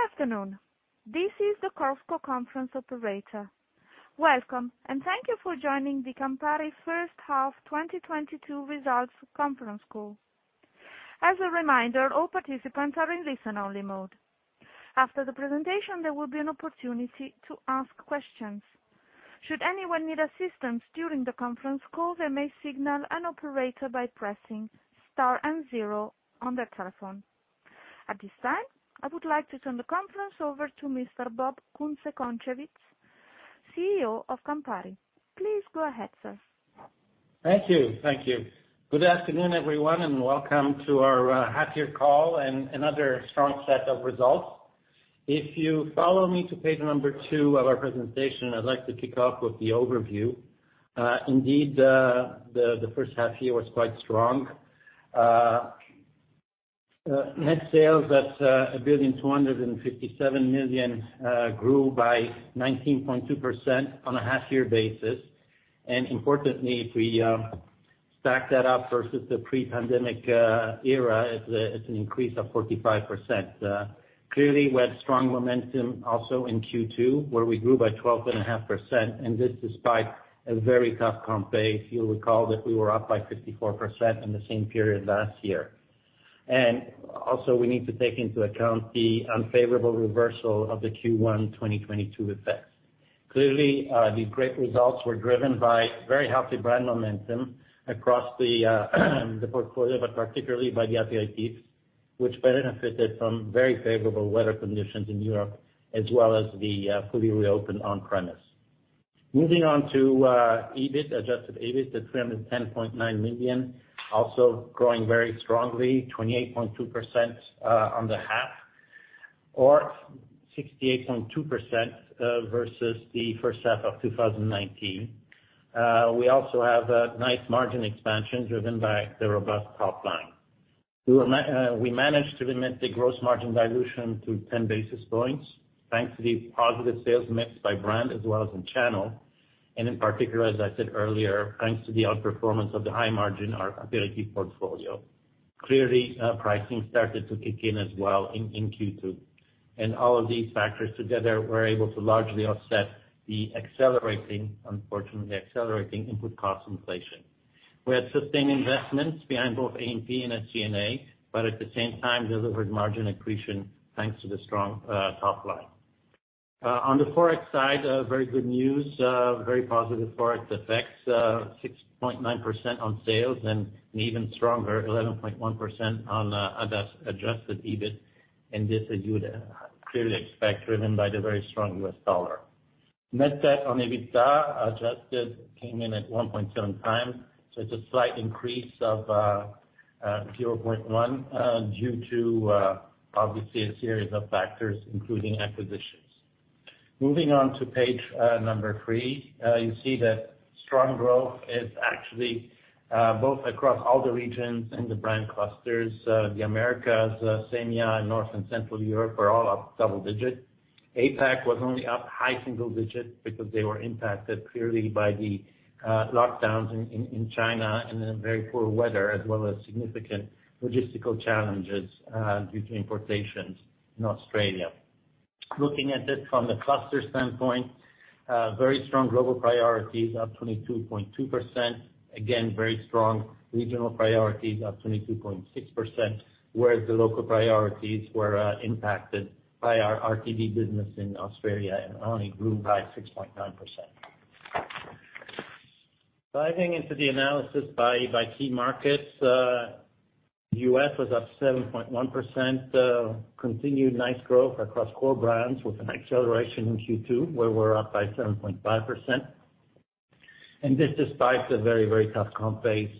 Good afternoon. This is the Chorus Call conference operator. Welcome, and thank you for joining the Campari first half 2022 results conference call. As a reminder, all participants are in listen-only mode. After the presentation, there will be an opportunity to ask questions. Should anyone need assistance during the conference call, they may signal an operator by pressing star and zero on their telephone. At this time, I would like to turn the conference over to Mr. Bob Kunze-Concewitz, CEO of Campari. Please go ahead, sir. Thank you. Good afternoon, everyone, and welcome to our half year call and another strong set of results. If you follow me to page two of our presentation, I'd like to kick off with the overview. Indeed, the first half year was quite strong. Net sales at 1.257 billion grew by 19.2% on a half year basis. Importantly, if we stack that up versus the pre-pandemic era, it's an increase of 45%. Clearly we had strong momentum also in Q2, where we grew by 12.5%, and this despite a very tough comp base. You'll recall that we were up by 54% in the same period last year. Also, we need to take into account the unfavorable reversal of the Q1 2022 effects. Clearly, the great results were driven by very healthy brand momentum across the portfolio, but particularly by the aperitifs, which benefited from very favorable weather conditions in Europe, as well as the fully reopened on-premise. Moving on to EBIT, adjusted EBIT to 310.9 million, also growing very strongly, 28.2% on the half, or 68.2% versus the first half of 2019. We also have a nice margin expansion driven by the robust top line. We managed to limit the gross margin dilution to 10 basis points, thanks to the positive sales mix by brand as well as in channel. In particular, as I said earlier, thanks to the outperformance of the high margin, our aperitif portfolio. Clearly, pricing started to kick in as well in Q2. All of these factors together were able to largely offset the accelerating, unfortunately, input cost inflation. We had sustained investments behind both A&P and SG&A, but at the same time delivered margin accretion, thanks to the strong top line. On the Forex side, very good news, very positive Forex effects, 6.9% on sales and an even stronger 11.1% on adjusted EBIT. This, as you would clearly expect, driven by the very strong U.S. dollar. Net debt on adjusted EBITDA came in at 1.7x. It's a slight increase of 0.1 due to obviously a series of factors, including acquisitions. Moving on to page number three, you see that strong growth is actually both across all the regions and the brand clusters. The Americas, EMEA, North and Central Europe are all up double-digit. APAC was only up high single-digit because they were impacted clearly by the lockdowns in China and then very poor weather, as well as significant logistical challenges due to importations in Australia. Looking at it from the cluster standpoint, very strong global priorities, up 22.2%. Again, very strong regional priorities, up 22.6%, whereas the local priorities were impacted by our RTD business in Australia and only grew by 6.9%. Diving into the analysis by key markets, U.S. was up 7.1%. Continued nice growth across core brands with an acceleration in Q2, where we're up by 7.5%. This despite the very, very tough comp base.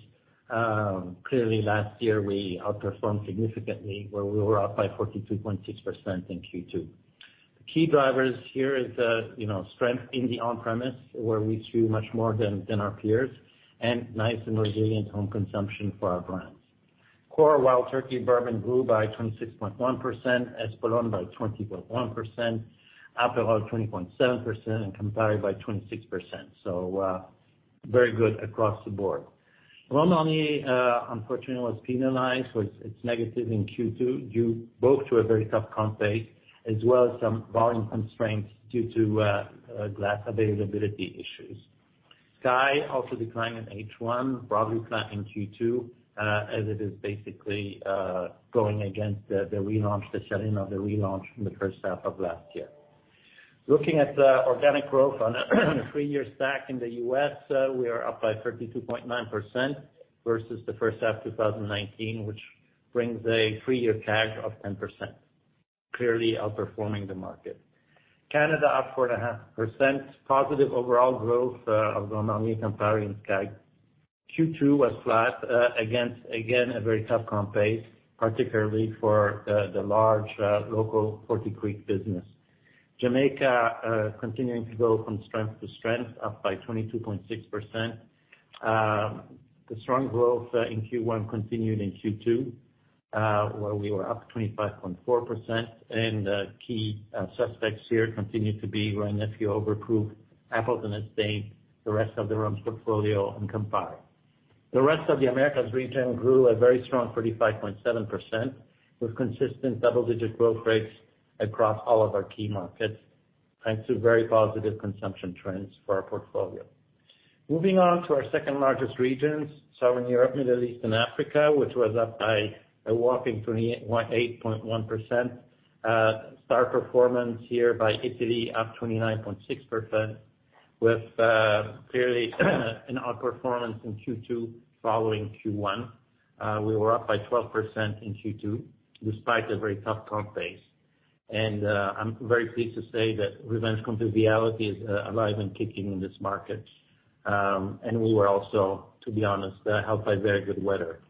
Clearly last year, we outperformed significantly where we were up by 42.6% in Q2. The key drivers here is, you know, strength in the on-premise, where we grew much more than our peers, and nice and resilient home consumption for our brands. Core Wild Turkey bourbon grew by 26.1%, Espolòn by 20.1%, Aperol 20.7%, and Campari by 26%. Very good across the board. Wuliangye unfortunately was penalized, so it's negative in Q2, due both to a very tough comp base, as well as some volume constraints due to glass availability issues. SKYY also declined in H1, broadly flat in Q2, as it is basically going against the relaunch, the selling of the relaunch in the first half of last year. Looking at the organic growth on a three-year stack in the U.S., we are up by 32.9% versus the first half 2019, which brings a three-year CAGR of 10%, clearly outperforming the market. Canada up 4.5%. Positive overall growth of Wuliangye, Campari, and SKYY. Q2 was flat against, again, a very tough comp base, particularly for the large local Forty Creek business. Jamaica, continuing to go from strength to strength, up by 22.6%. The strong growth in Q1 continued in Q2, where we were up 25.4%. Key suspects here continue to be Grand Marnier, Overproof, Appleton Estate, the rest of the rums portfolio, and Campari. The rest of the Americas region grew a very strong 35.7%, with consistent double-digit growth rates across all of our key markets, thanks to very positive consumption trends for our portfolio. Moving on to our second-largest regions, Southern Europe, Middle East, and Africa, which was up by a whopping 28.1%. Star performance here by Italy, up 29.6%, with clearly an outperformance in Q2 following Q1. We were up by 12% in Q2, despite a very tough comp base. I'm very pleased to say that revenge conviviality is alive and kicking in this market. We were also, to be honest, helped by very good weather.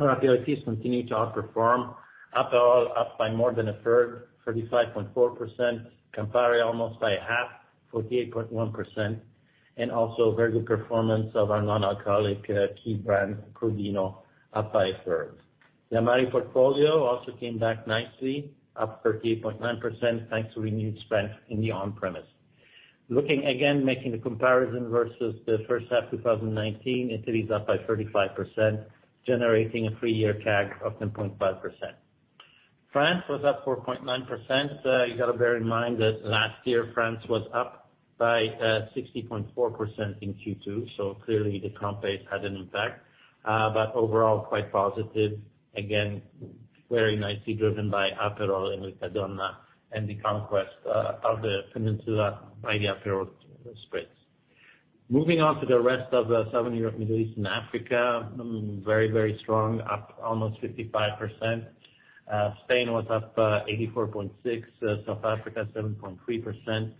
Our aperitifs continue to outperform. Aperol up by more than 1/3, 35.4%. Campari almost by 1/2, 48.1%. Very good performance of our non-alcoholic key brand, Crodino, up by 1/3. The amari portfolio also came back nicely, up 13.9%, thanks to renewed strength in the on-premise. Looking again, making the comparison versus the first half of 2019, Italy is up by 35%, generating a three-year CAGR of 10.5%. France was up 4.9%. You got to bear in mind that last year, France was up by 60.4% in Q2, so clearly the comp base had an impact. But overall, quite positive. Again, very nicely driven by Aperol and Riccadonna and the conquest of the peninsula by the Aperol Spritz. Moving on to the rest of the Southern Europe, Middle East and Africa, very, very strong, up almost 55%. Spain was up 84.6%, South Africa 7.3%.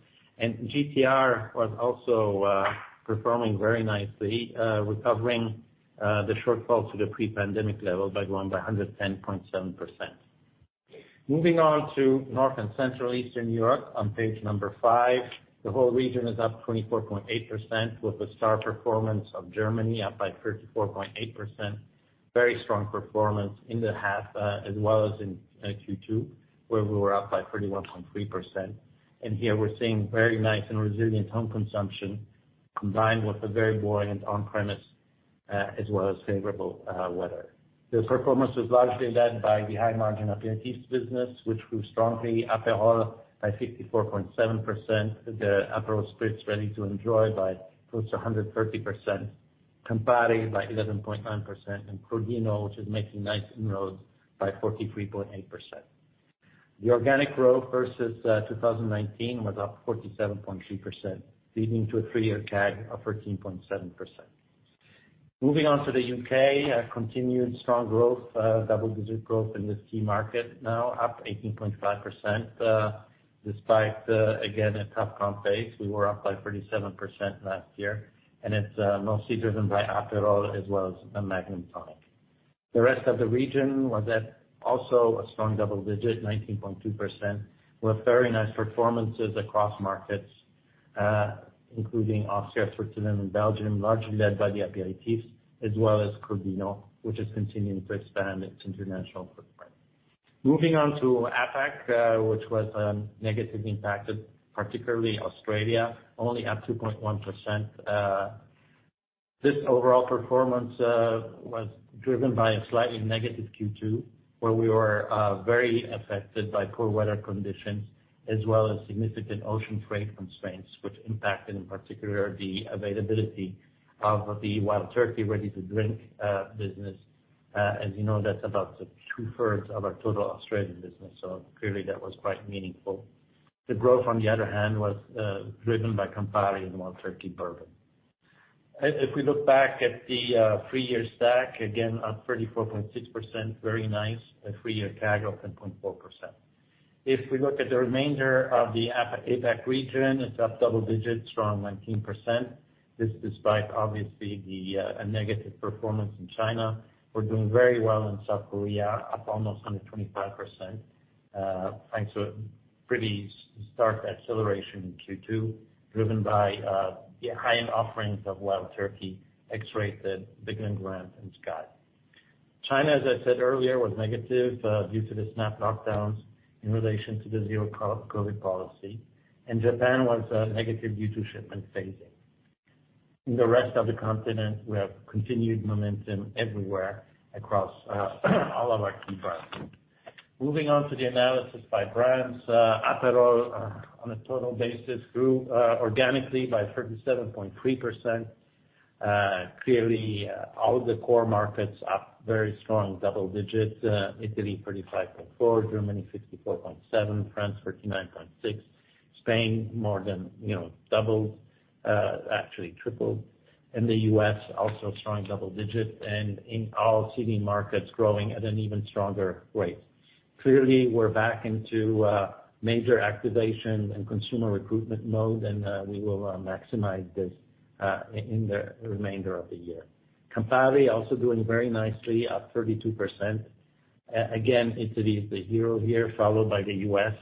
GTR was also performing very nicely, recovering the shortfall to the pre-pandemic level by growing by 110.7%. Moving on to North and Central Eastern Europe on page five. The whole region is up 24.8% with a star performance of Germany up by 34.8%. Very strong performance in the half, as well as in Q2, where we were up by 31.3%. We're seeing very nice and resilient home consumption combined with a very buoyant on-premise, as well as favorable weather. The performance was largely led by the high-margin aperitifs business, which grew strongly, Aperol by 54.7%. The Aperol Spritz ready-to-drink by close to 130%. Campari by 11.9%, and Crodino, which is making nice inroads, by 43.8%. The organic growth versus 2019 was up 47.3%, leading to a three-year CAGR of 13.7%. Moving on to the U.K., continued strong growth, double-digit growth in this key market, now up 18.5%. Despite again a tough comp base, we were up by 37% last year, and it's mostly driven by Aperol as well as the Magnum Tonic. The rest of the region was at also a strong double digit, 19.2%, with very nice performances across markets, including Austria, Switzerland, and Belgium, largely led by the aperitifs as well as Crodino, which is continuing to expand its international footprint. Moving on to APAC, which was negatively impacted, particularly Australia, only up 2.1%. This overall performance was driven by a slightly negative Q2, where we were very affected by poor weather conditions as well as significant ocean freight constraints, which impacted, in particular, the availability of the Wild Turkey ready-to-drink business. As you know, that's about 2/3 of our total Australian business, so clearly that was quite meaningful. The growth on the other hand was driven by Campari and Wild Turkey bourbon. If we look back at the three-year stack, again up 34.6%, very nice, a three-year CAGR of 10.4%. If we look at the remainder of the APAC region, it's up double digits, strong 19%. This despite obviously a negative performance in China. We're doing very well in South Korea, up almost 125%, thanks to a pretty stark acceleration in Q2, driven by the high-end offerings of Wild Turkey, X-Rated, Bisquit & Grand, and SKYY. China, as I said earlier, was negative due to the snap lockdowns in relation to the zero-COVID policy, and Japan was negative due to shipment phasing. In the rest of the continent, we have continued momentum everywhere across all of our key brands. Moving on to the analysis by brands. Aperol, on a total basis grew organically by 37.3%. Clearly, all the core markets up very strong double digits. Italy 35.4%, Germany 64.7%, France 39.6%. Spain more than, you know, doubled, actually tripled. In the U.S., also strong double digits. In all CD markets growing at an even stronger rate. Clearly, we're back into major activation and consumer recruitment mode, and we will maximize this in the remainder of the year. Campari also doing very nicely, up 32%. Italy is the hero here, followed by the U.S.,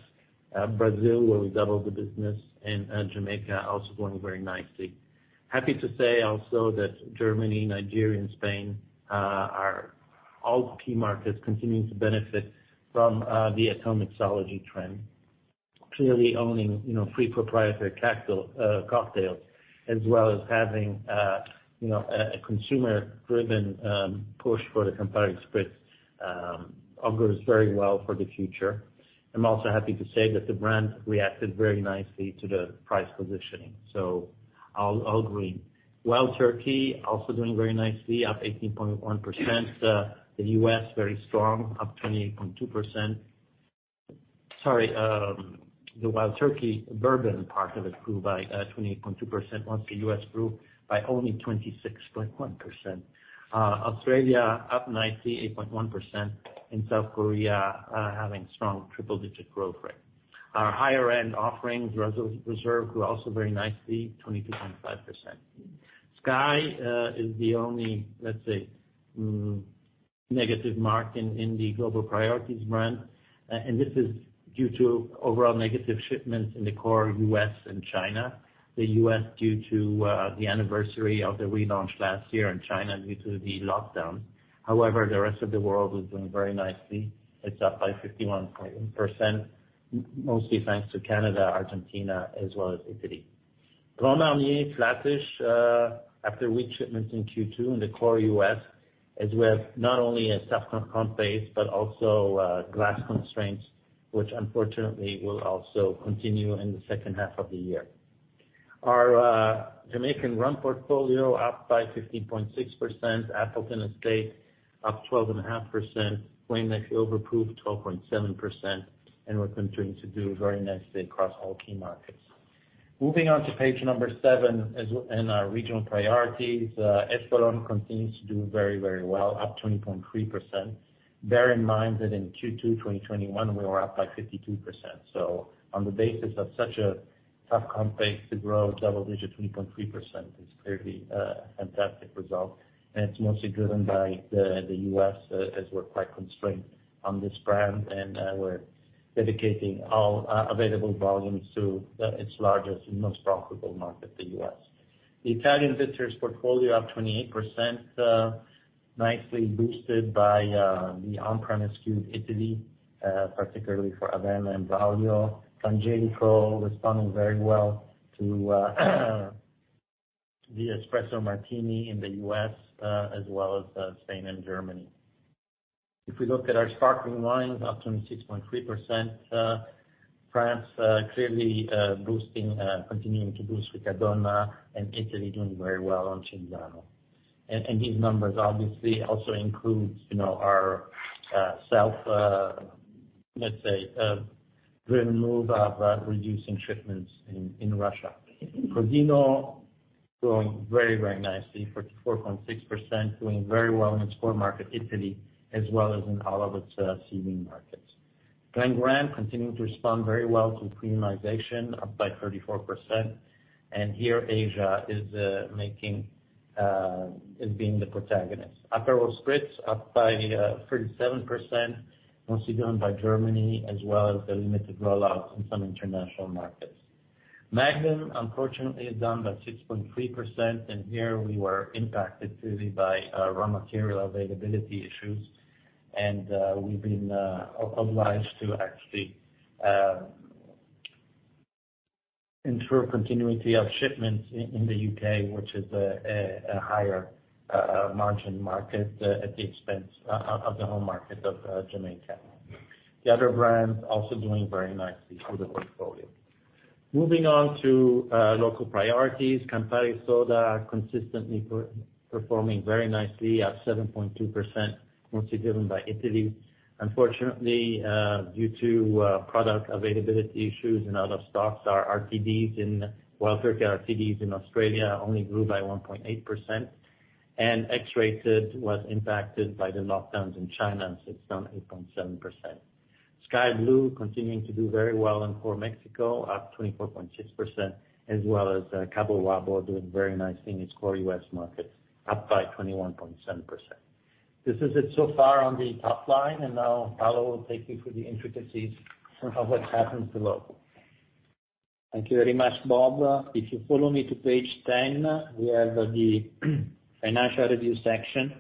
Brazil, where we doubled the business, and Jamaica also doing very nicely. Happy to say also that Germany, Nigeria, and Spain are all key markets continuing to benefit from the at-home mixology trend. Clearly owning, you know, three proprietary cocktails, as well as having, you know, a consumer-driven push for the Campari Spritz, augurs very well for the future. I'm also happy to say that the brand reacted very nicely to the price positioning. I'll agree. Wild Turkey also doing very nicely, up 18.1%. The U.S. very strong, up 28.2%. Sorry, the Wild Turkey bourbon part of it grew by 28.2%, while the U.S. grew by only 26.1%. Australia up nicely, 8.1%. In South Korea, having strong triple-digit growth rate. Our higher-end offerings Russell's Reserve grew also very nicely, 22.5%. SKYY is the only, let's say, negative mark in the global priorities brand. And this is due to overall negative shipments in the core U.S. and China. The U.S. due to the anniversary of the relaunch last year, and China due to the lockdowns. However, the rest of the world is doing very nicely. It's up by 51.1%, mostly thanks to Canada, Argentina, as well as Italy. Grand Marnier flattish after weak shipments in Q2 in the core U.S., as we have not only a tough comp base, but also glass constraints, which unfortunately will also continue in the second half of the year. Our Jamaican rum portfolio up by 15.6%. Appleton Estate up 12.5%. Wray & Nephew Overproof up 12.7%, and we're continuing to do very nicely across all key markets. Moving on to page seven in our regional priorities, Espolòn continues to do very, very well, up 20.3%. Bear in mind that in Q2 2021, we were up by 52%. On the basis of such a tough comp base to grow double digits, 20.3% is clearly a fantastic result, and it's mostly driven by the U.S. as we're quite constrained on this brand. We're dedicating all available volumes to its largest and most profitable market, the U.S.. The Italian bitters portfolio up 28%, nicely boosted by the on-premise skew to Italy, particularly for Averna and Braulio. Frangelico responding very well to the Espresso Martini in the U.S., as well as Spain and Germany. If we look at our sparkling wines, up 26.3%, France clearly continuing to boost Riccadonna, and Italy doing very well on Cinzano. These numbers obviously also include, you know, our self, let's say, driven move of reducing shipments in Russia. Crodino growing very, very nicely, 44.6%, doing very well in its core market, Italy, as well as in all of its seeding markets. Glen Grant continuing to respond very well to premiumization, up by 34%, and here Asia is being the protagonist. Aperol Spritz up by 37%, mostly driven by Germany as well as the limited rollouts in some international markets. Magnum, unfortunately, is down by 6.3%, and here we were impacted clearly by raw material availability issues. We've been obliged to actually ensure continuity of shipments in the U.K., which is a higher margin market, at the expense of the home market of Jamaica. The other brands also doing very nicely for the portfolio. Moving on to local priorities, Campari Soda consistently performing very nicely at 7.2%, mostly driven by Italy. Unfortunately, due to product availability issues and out of stocks, our RTDs and Wild Turkey RTDs in Australia only grew by 1.8%, and X-Rated was impacted by the lockdowns in China, and so it's down 8.7%. SKYY Blue continuing to do very well in core Mexico, up 24.6%, as well as Cabo Wabo doing very nicely in its core U.S. markets, up by 21.7%. This is it so far on the top line, and now Paolo will take you through the intricacies of what's happened below. Thank you very much, Bob. If you follow me to page 10, we have the financial review section.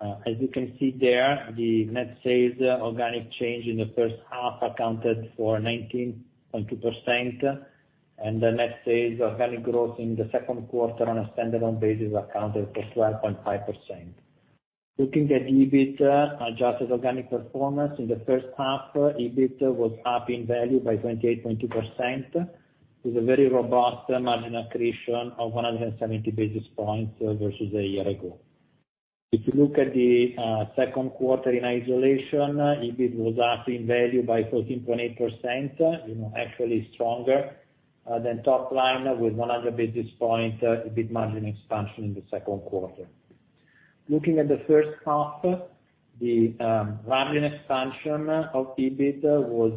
As you can see there, the net sales organic change in the first half accounted for 19.2%, and the net sales organic growth in the second quarter on a standalone basis accounted for 12.5%. Looking at EBIT, adjusted organic performance in the first half, EBIT was up in value by 28.2% with a very robust margin accretion of 170 basis points versus a year ago. If you look at the second quarter in isolation, EBIT was up in value by 14.8%, you know, actually stronger than top line with 100 basis point EBIT margin expansion in the second quarter. Looking at the first half, the margin expansion of EBIT was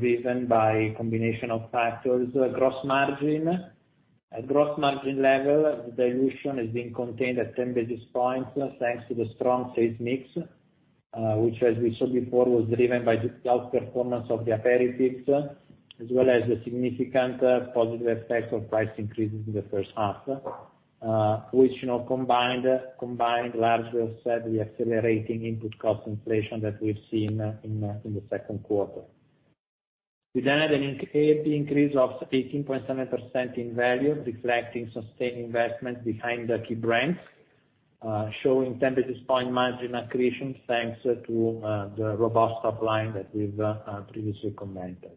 driven by a combination of factors. Gross margin. At gross margin level, dilution has been contained at 10 basis points, thanks to the strong sales mix, which as we saw before, was driven by the outperformance of the aperitifs, as well as the significant positive effects of price increases in the first half, which, you know, combined largely offset the accelerating input cost inflation that we've seen in the second quarter. We then had an increase of 18.7% in value, reflecting sustained investment behind the key brands, showing 10 basis point margin accretion thanks to the robust top line that we've previously commented.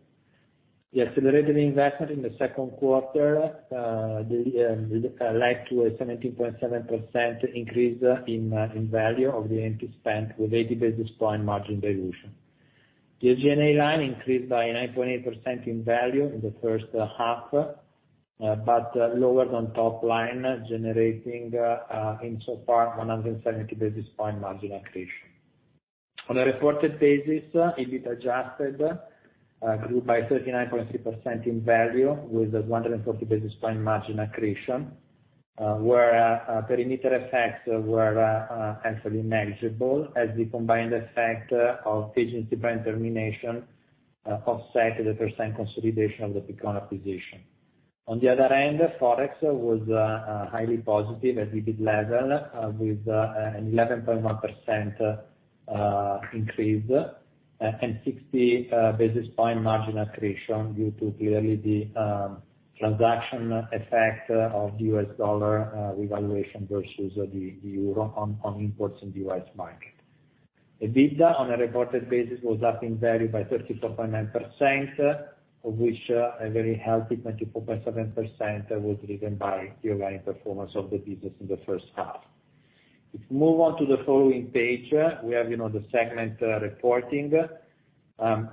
The accelerated investment in the second quarter led to a 17.7% increase in value of the A&P spend with 80 basis point margin dilution. The SG&A line increased by 9.8% in value in the first half, but lower than top line, generating insofar 170 basis point margin accretion. On a reported basis, EBIT adjusted grew by 39.3% in value with 140 basis point margin accretion, where perimeter effects were actually manageable as the combined effect of agency brand termination offset the partial consolidation of the Picon acquisition. On the other end, Forex was highly positive at EBIT level, with an 11.1% increase, and 60 basis point margin accretion due to clearly the transaction effect of the U.S. dollar revaluation versus the euro on imports in the U.S. market. EBITDA on a reported basis was up in value by 34.9%, of which a very healthy 24.7% was driven by the organic performance of the business in the first half. If we move on to the following page, we have, you know, the segment reporting.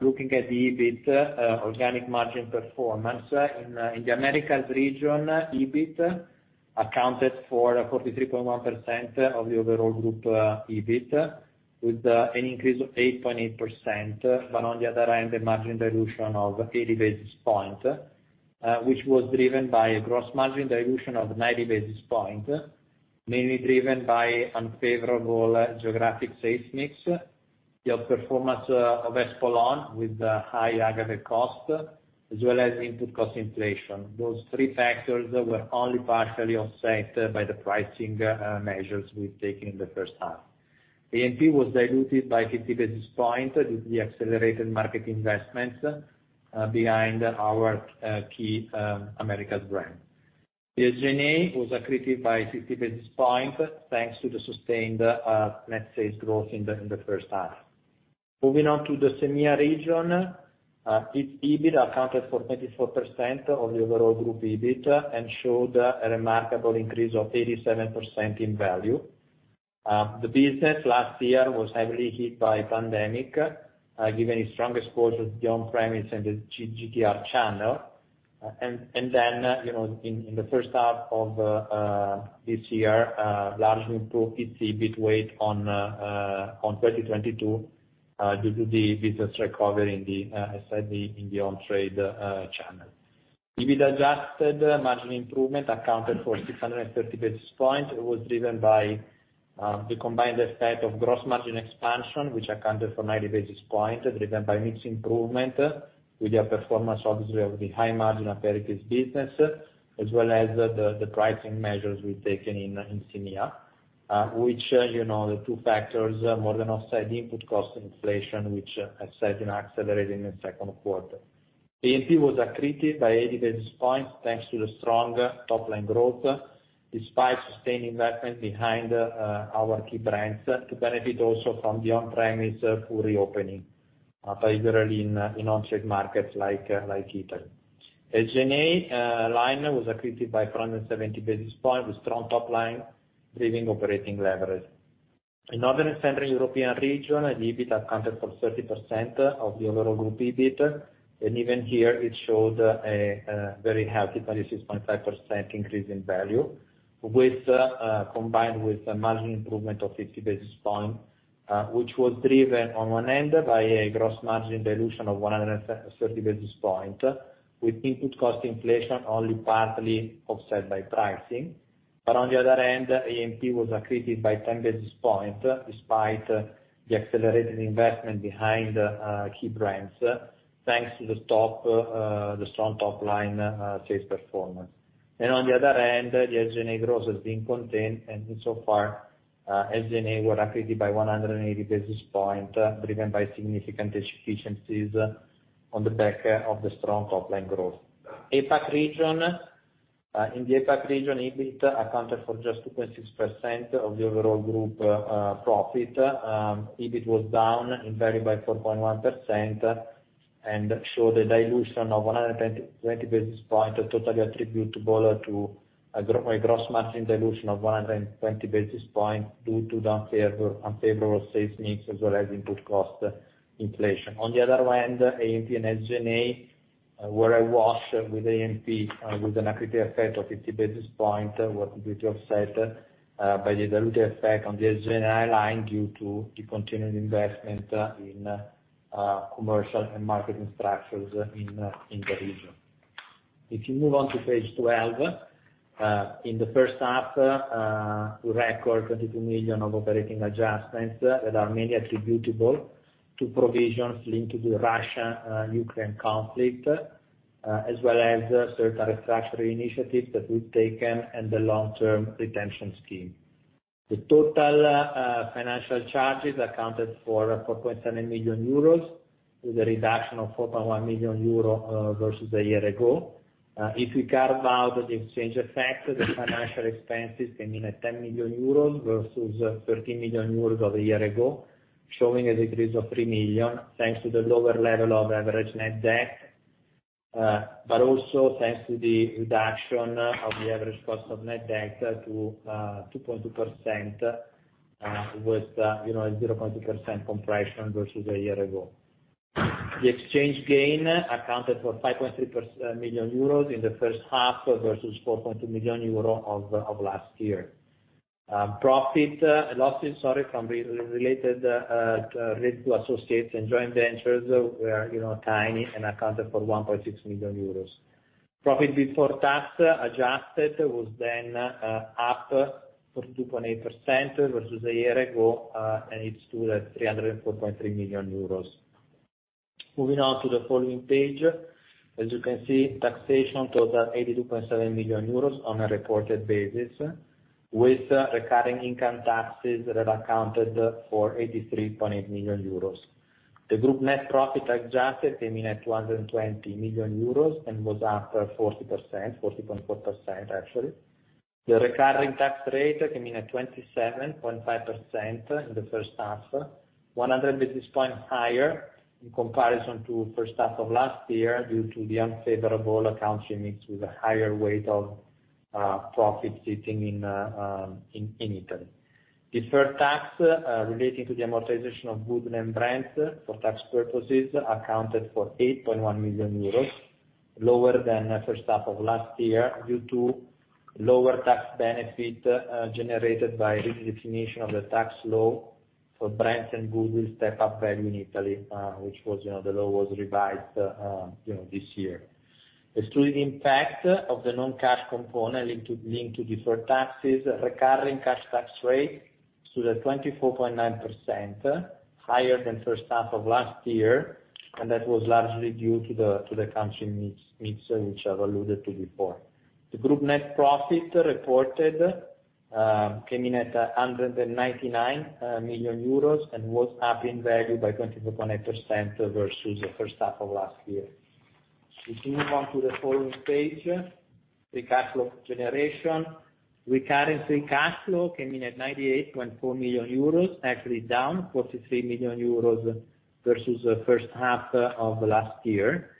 Looking at the EBIT organic margin performance in the Americas region, EBIT accounted for 43.1% of the overall group EBIT with an increase of 8.8%, but on the other hand, a margin dilution of 80 basis points, which was driven by a gross margin dilution of 90 basis points, mainly driven by unfavorable geographic sales mix, the outperformance of Espolòn with high A&G cost, as well as input cost inflation. Those three factors were only partially offset by the pricing measures we've taken in the first half. A&P was diluted by 50 basis points with the accelerated market investments behind our key Americas brand. The SG&A was accretive by 50 basis points, thanks to the sustained net sales growth in the first half. Moving on to the CEMEA region, its EBIT accounted for 24% of the overall group EBIT and showed a remarkable increase of 87% in value. The business last year was heavily hit by pandemic, given its strongest exposure to the on-premise and the GTR channel. You know, in the first half of this year, largely improved its EBIT weight on 2022, due to the business recovery in the, as said, in the on-trade channel. EBIT adjusted margin improvement accounted for 630 basis points. It was driven by the combined effect of gross margin expansion, which accounted for 90 basis points driven by mix improvement with the outperformance obviously of the high margin aperitifs business, as well as the pricing measures we've taken in CEMEA, which, you know, the two factors more than offset the input cost inflation, which as said, you know, accelerated in the second quarter. A&P was accreted by 80 basis points, thanks to the strong top line growth, despite sustained investment behind our key brands to benefit also from the on-premise full reopening, particularly in on-trade markets like Italy. SG&A line was accreted by 470 basis points with strong top line, driving operating leverage. In Northern and Central European region, EBIT accounted for 30% of the overall group EBIT. Even here, it showed a very healthy 36.5% increase in value combined with a margin improvement of 50 basis points, which was driven on one end by a gross margin dilution of 130 basis points with input cost inflation only partly offset by pricing. On the other hand, A&P was accreted by 10 basis points despite the accelerated investment behind key brands, thanks to the strong top line sales performance. On the other hand, the SG&A growth has been contained. So far, SG&A were accreted by 180 basis points, driven by significant efficiencies on the back of the strong top line growth. APAC region. In the APAC region, EBIT accounted for just 2.6% of the overall group profit. EBIT was down in value by 4.1% and showed a dilution of 120 basis points totally attributable to a gross margin dilution of 120 basis points due to the unfavorable sales mix as well as input cost inflation. On the other hand, A&P and SG&A were awash with A&P with an accretive effect of 50 basis points was partly offset by the dilutive effect on the SG&A line due to the continued investment in commercial and marketing structures in the region. If you move on to page 12, in the first half, we record 22 million of operating adjustments that are mainly attributable to provisions linked to the Russia-Ukraine conflict, as well as certain restructuring initiatives that we've taken and the long-term retention scheme. The total financial charges accounted for 4.7 million euros with a reduction of 4.1 million euro versus a year ago. If we carve out the exchange effect, the financial expenses came in at 10 million euros versus 13 million euros of a year ago, showing a decrease of 3 million, thanks to the lower level of average net debt, but also thanks to the reduction of the average cost of net debt to 2.2%, with, you know, 0.2% compression versus a year ago. The exchange gain accounted for 5.3 million euros in the first half versus 4.2 million euro of last year. Losses from related to associates and joint ventures were, you know, tiny and accounted for 1.6 million euros. Profit before tax adjusted was then up 42.8% versus a year ago and it stood at 304.3 million euros. Moving on to the following page. As you can see, taxation totals 82.7 million euros on a reported basis with recurring income taxes that accounted for 83.8 million euros. The group net profit adjusted came in at 120 million euros and was up 40.4%, actually. The recurring tax rate came in at 27.5% in the first half, 100 basis points higher in comparison to first half of last year due to the unfavorable country mix with a higher weight of profit sitting in Italy. The deferred tax relating to the amortization of goodwill and brands for tax purposes accounted for 8.1 million euros, lower than first half of last year due to lower tax benefit generated by redefinition of the tax law for brands and goodwill step up value in Italy, which was, you know, the law was revised this year. Excluding impact of the non-cash component linked to deferred taxes, recurring cash tax rate stood at 24.9%, higher than first half of last year, and that was largely due to the country mix which I've alluded to before. The group net profit reported came in at 199 million euros and was up in value by 24.8% versus the first half of last year. If you move on to the following page, free cash flow generation. Recurring free cash flow came in at 98.4 million euros, actually down 43 million euros versus the first half of last year.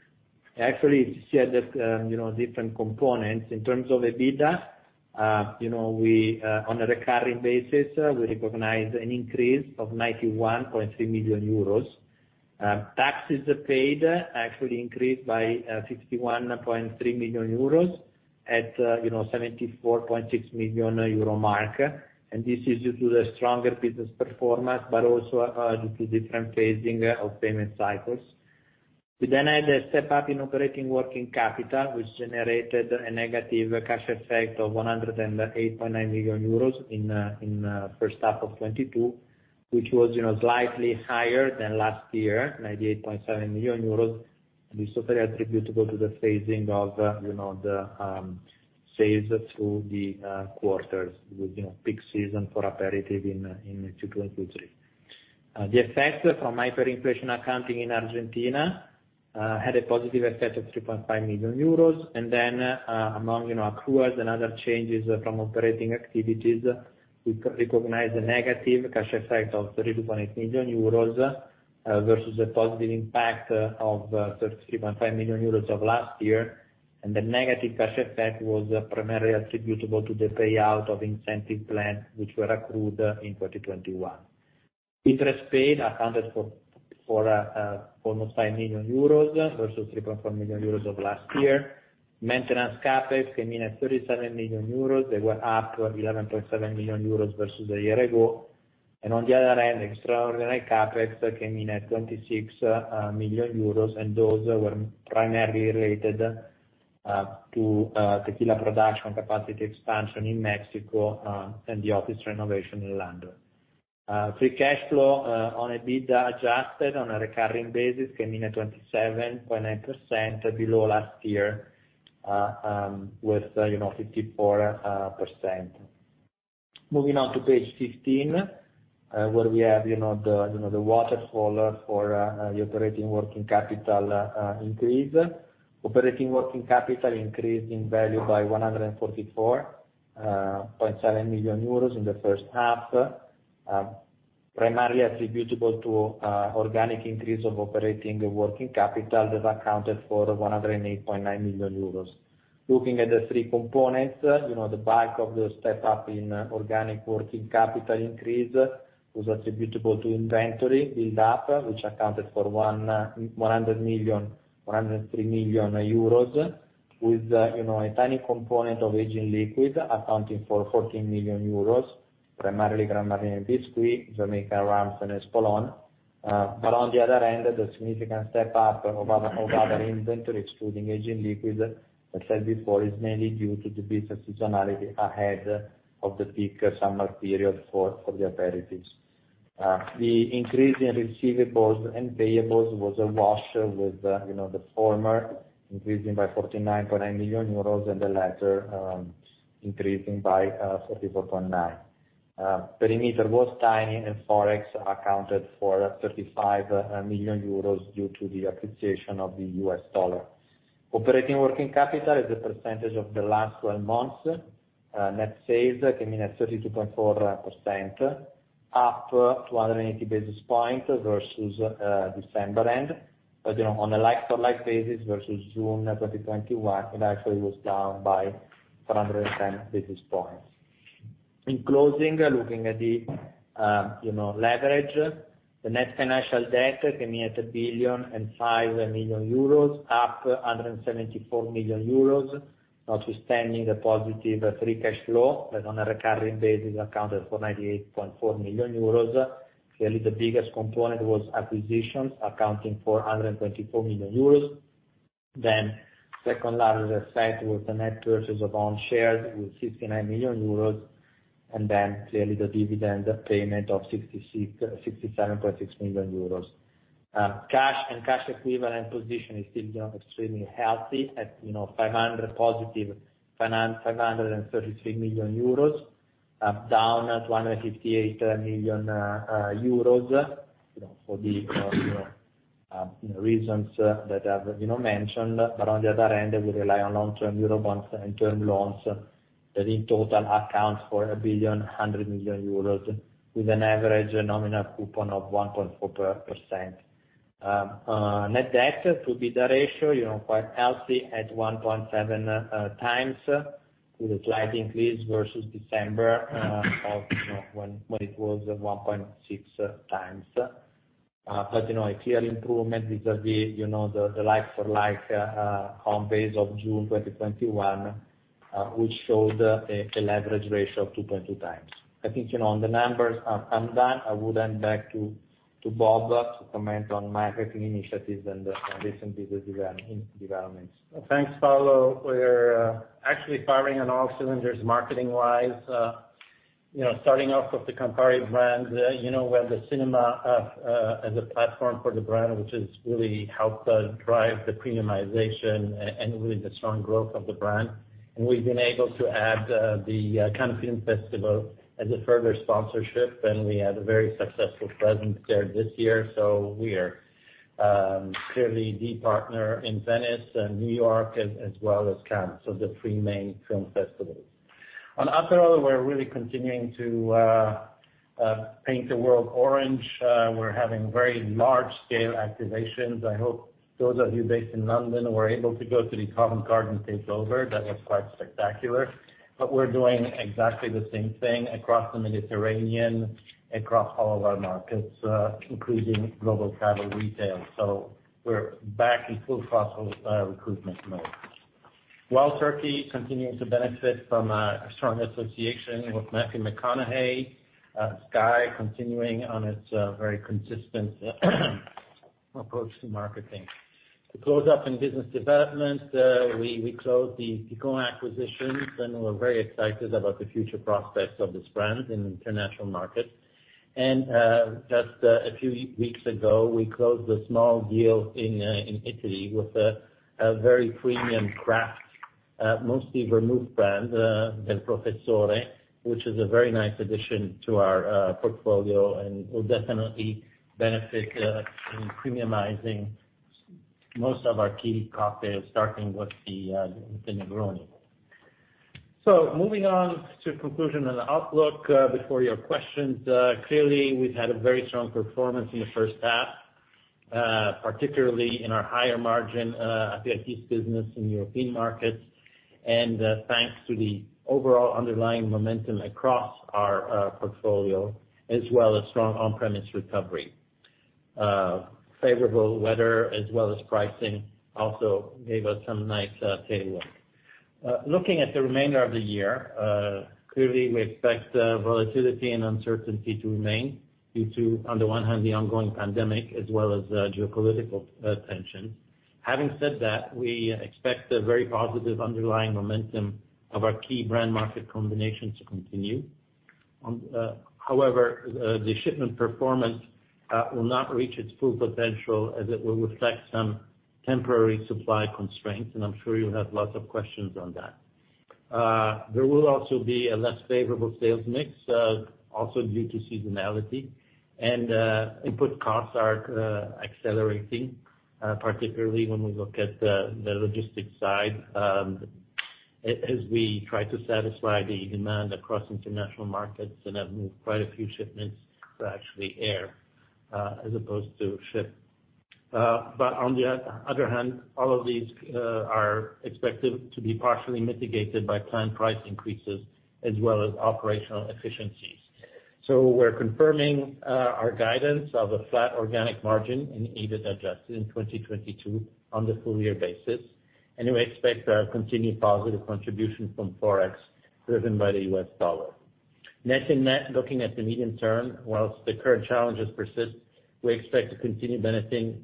Actually, if you add up, you know, different components in terms of EBITDA, you know, we on a recurring basis, we recognize an increase of 91.3 million euros. Taxes paid actually increased by 61.3 million euros to, you know, the 74.6 million euro mark. This is due to the stronger business performance, but also due to different phasing of payment cycles. We had a step up in operating working capital, which generated a negative cash effect of 108.9 million euros in first half of 2022, which was, you know, slightly higher than last year, 98.7 million euros. This was very attributable to the phasing of, you know, the sales through the quarters with, you know, peak season for aperitif in 2023. The effect from hyperinflation accounting in Argentina had a positive effect of 3.5 million euros. Then, among, you know, accruals and other changes from operating activities, we recognized a negative cash effect of 30.8 million euros versus a positive impact of 33.5 million euros of last year. The negative cash effect was primarily attributable to the payout of incentive plans which were accrued in 2021. Interest paid accounted for almost 5 million euros versus 3.4 million euros of last year. Maintenance CapEx came in at 37 million euros. They were up by 11.7 million euros versus a year ago. On the other hand, extraordinary CapEx came in at 26 million euros, and those were primarily related to tequila production capacity expansion in Mexico and the office renovation in London. Free cash flow on a EBITDA adjusted on a recurring basis came in at 27.9% below last year, with, you know, 54%. Moving on to page 15, where we have, you know, the waterfall for the operating working capital increase. Operating working capital increased in value by 144.7 million euros in the first half, primarily attributable to organic increase of operating working capital that accounted for 108.9 million euros. Looking at the three components, you know, the bulk of the step up in organic working capital increase was attributable to inventory build-up, which accounted for 103 million euros with, you know, a tiny component of aging liquid accounting for 14 million euros, primarily Grand Marnier, Bisquit & Dubouché, Jamaican rums, and Espolòn. On the other hand, the significant step up of other inventory excluding aging liquid, I said before, is mainly due to the business seasonality ahead of the peak summer period for the aperitifs. The increase in receivables and payables was a wash with, you know, the former increasing by 49.9 million euros and the latter increasing by 44.9 million. Perimeter was tiny, and Forex accounted for 35 million euros due to the appreciation of the U.S. dollar. Operating working capital as a percentage of the last twelve months net sales came in at 32.4%, up 180 basis points versus December end. You know, on a like-for-like basis versus June 2021, it actually was down by 310 basis points. In closing, looking at the you know, leverage, the net financial debt came in at 1.005 billion, up 174 million euros, notwithstanding the positive free cash flow, but on a recurring basis, accounted for 98.4 million euros. Clearly, the biggest component was acquisitions accounting for 124 million euro. Second largest effect was the net purchase of own shares with 69 million euros, and then clearly the dividend payment of 67.6 million euros. Cash and cash equivalent position is still, you know, extremely healthy at, you know, 533 million euros+, down to 158 million euros, you know, for the, you know, reasons that I've, you know, mentioned. On the other end, we rely on long-term euro bonds and term loans that in total account for 1.1 billion with an average nominal coupon of 1.4%. Net debt to EBITDA ratio, you know, quite healthy at 1.7x with a slight increase versus December, you know, when it was 1.6x. You know a clear improvement vis-à-vis, you know, the like for like comp base of June 2021, which showed a leverage ratio of 2.2x. I think you know on the numbers, I'm done. I would hand back to Bob to comment on marketing initiatives and the recent business developments. Thanks, Paolo. We're actually firing on all cylinders marketing wise. You know, starting off with the Campari brand, you know, we have the cinema as a platform for the brand, which has really helped drive the premiumization and really the strong growth of the brand. We've been able to add the Cannes Film Festival as a further sponsorship, and we had a very successful presence there this year. We are clearly the partner in Venice and New York as well as Cannes, the three main film festivals. On Aperol, we're really continuing to paint the world orange. We're having very large scale activations. I hope those of you based in London were able to go to the Covent Garden takeover. That was quite spectacular. We're doing exactly the same thing across the Mediterranean, across all of our markets, including global travel retail. We're back in full throttle recruitment mode. Wild Turkey continues to benefit from a strong association with Matthew McConaughey, SKYY continuing on its very consistent approach to marketing. To close up in business development, we closed the Picon acquisition, and we're very excited about the future prospects of this brand in international markets. Just a few weeks ago, we closed a small deal in Italy with a very premium craft, mostly vermouth brand, Del Professore, which is a very nice addition to our portfolio, and will definitely benefit in premiumizing most of our key cocktails, starting with the Negroni. Moving on to conclusion and outlook, before your questions. Clearly, we've had a very strong performance in the first half, particularly in our higher margin aperitifs business in European markets, and thanks to the overall underlying momentum across our portfolio, as well as strong on-premise recovery. Favorable weather as well as pricing also gave us some nice tailwind. Looking at the remainder of the year, clearly, we expect volatility and uncertainty to remain due to, on the one hand, the ongoing pandemic as well as geopolitical tension. Having said that, we expect a very positive underlying momentum of our key brand market combination to continue. However, the shipment performance will not reach its full potential as it will reflect some temporary supply constraints, and I'm sure you'll have lots of questions on that. There will also be a less favorable sales mix, also due to seasonality and input costs are accelerating, particularly when we look at the logistics side, as we try to satisfy the demand across international markets and have moved quite a few shipments to actually air, as opposed to ship. On the other hand, all of these are expected to be partially mitigated by planned price increases as well as operational efficiencies. We're confirming our guidance of a flat organic margin in EBIT adjusted in 2022 on the full year basis. We expect a continued positive contribution from Forex, driven by the U.S. dollar. Net in net, looking at the medium term, while the current challenges persist, we expect to continue benefiting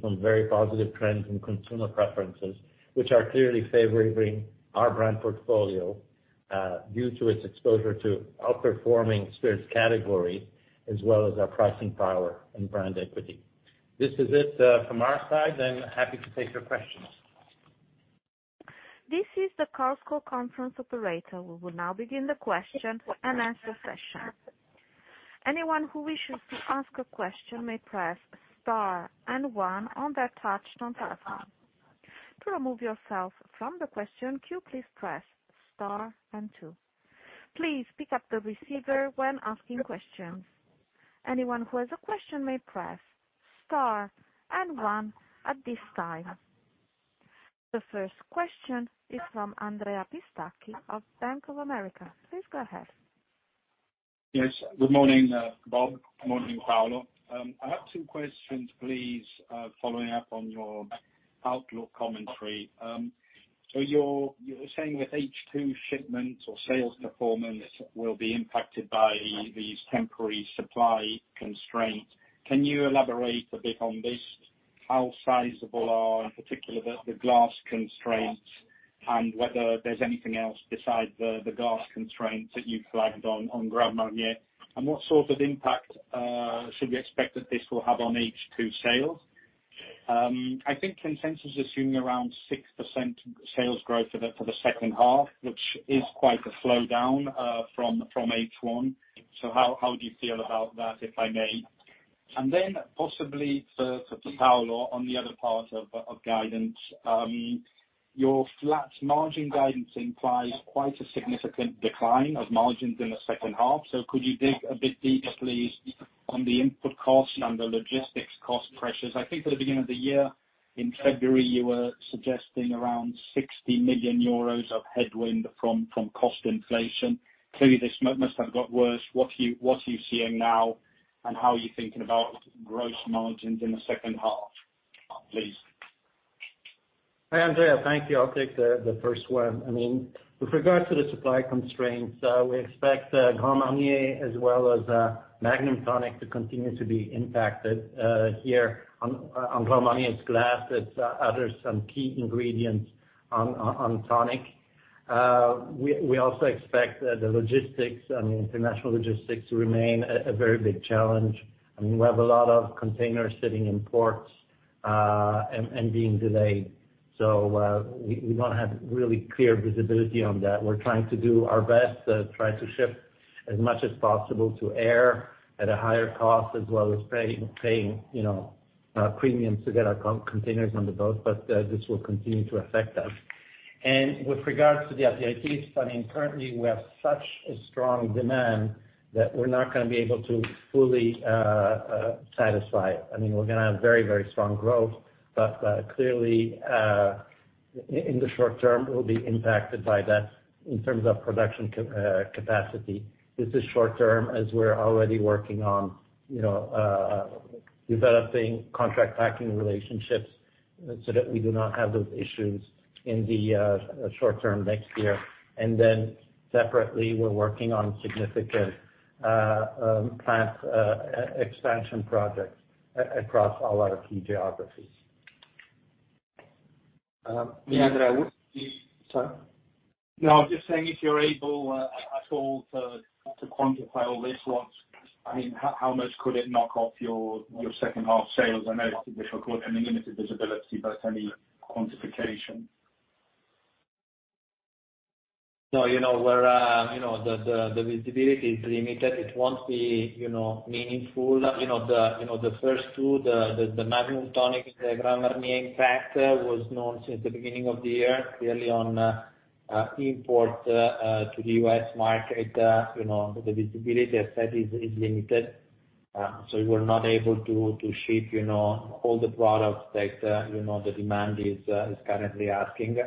from very positive trends in consumer preferences, which are clearly favoring our brand portfolio. Due to its exposure to outperforming spirits category, as well as our pricing power and brand equity. This is it from our side, and happy to take your questions. This is the Chorus Call Conference Operator. We will now begin the question and answer session. Anyone who wishes to ask a question may press star and one on their touch-tone telephone. To remove yourself from the question queue, please press star and two. Please pick up the receiver when asking questions. Anyone who has a question may press star and one at this time. The first question is from Andrea Pistacchi of Bank of America. Please go ahead. Yes, good morning, Bob. Good morning, Paolo. I have two questions please, following up on your outlook commentary. So you're saying with H2 shipments or sales performance will be impacted by these temporary supply constraints. Can you elaborate a bit on this? How sizable are, in particular, the glass constraints and whether there's anything else besides the glass constraints that you flagged on Grand Marnier? And what sort of impact should we expect that this will have on H2 sales? I think consensus is assuming around 6% sales growth for the second half, which is quite the slowdown from H1. So how do you feel about that, if I may? And then possibly for Paolo on the other part of guidance. Your flat margin guidance implies quite a significant decline of margins in the second half. Could you dig a bit deeper, please, on the input costs and the logistics cost pressures? I think at the beginning of the year in February, you were suggesting around 60 million euros of headwind from cost inflation. Clearly, this must have got worse. What are you seeing now, and how are you thinking about gross margins in the second half, please? Hi, Andrea. Thank you. I'll take the first one. I mean, with regards to the supply constraints, we expect Grand Marnier as well as Magnum Tonic to continue to be impacted here on Grand Marnier's glass. It's other, some key ingredients on tonic. We also expect the logistics, I mean, international logistics to remain a very big challenge. I mean, we have a lot of containers sitting in ports and being delayed. We don't have really clear visibility on that. We're trying to do our best to try to ship as much as possible by air at a higher cost, as well as paying you know premiums to get our containers on the boat. This will continue to affect us. With regards to the APAT's funding, currently we have such a strong demand that we're not gonna be able to fully satisfy it. I mean, we're gonna have very, very strong growth, but clearly, in the short term, we'll be impacted by that in terms of production capacity. This is short term as we're already working on, you know, developing contract packing relationships so that we do not have those issues in the short term next year. Separately, we're working on significant plant expansion projects across all our key geographies. Yeah. Sorry? No, I'm just saying if you're able at all to quantify all this. I mean, how much could it knock off your second half sales? I know it's difficult and the limited visibility, but any quantification. No, you know, we're, you know, the visibility is limited. It won't be, you know, meaningful. You know, the first two, the Magnum Tonic, the Grand Marnier impact was known since the beginning of the year, clearly on import to the U.S. market. You know, the visibility as said is limited. We're not able to ship, you know, all the products that, you know, the demand is currently asking.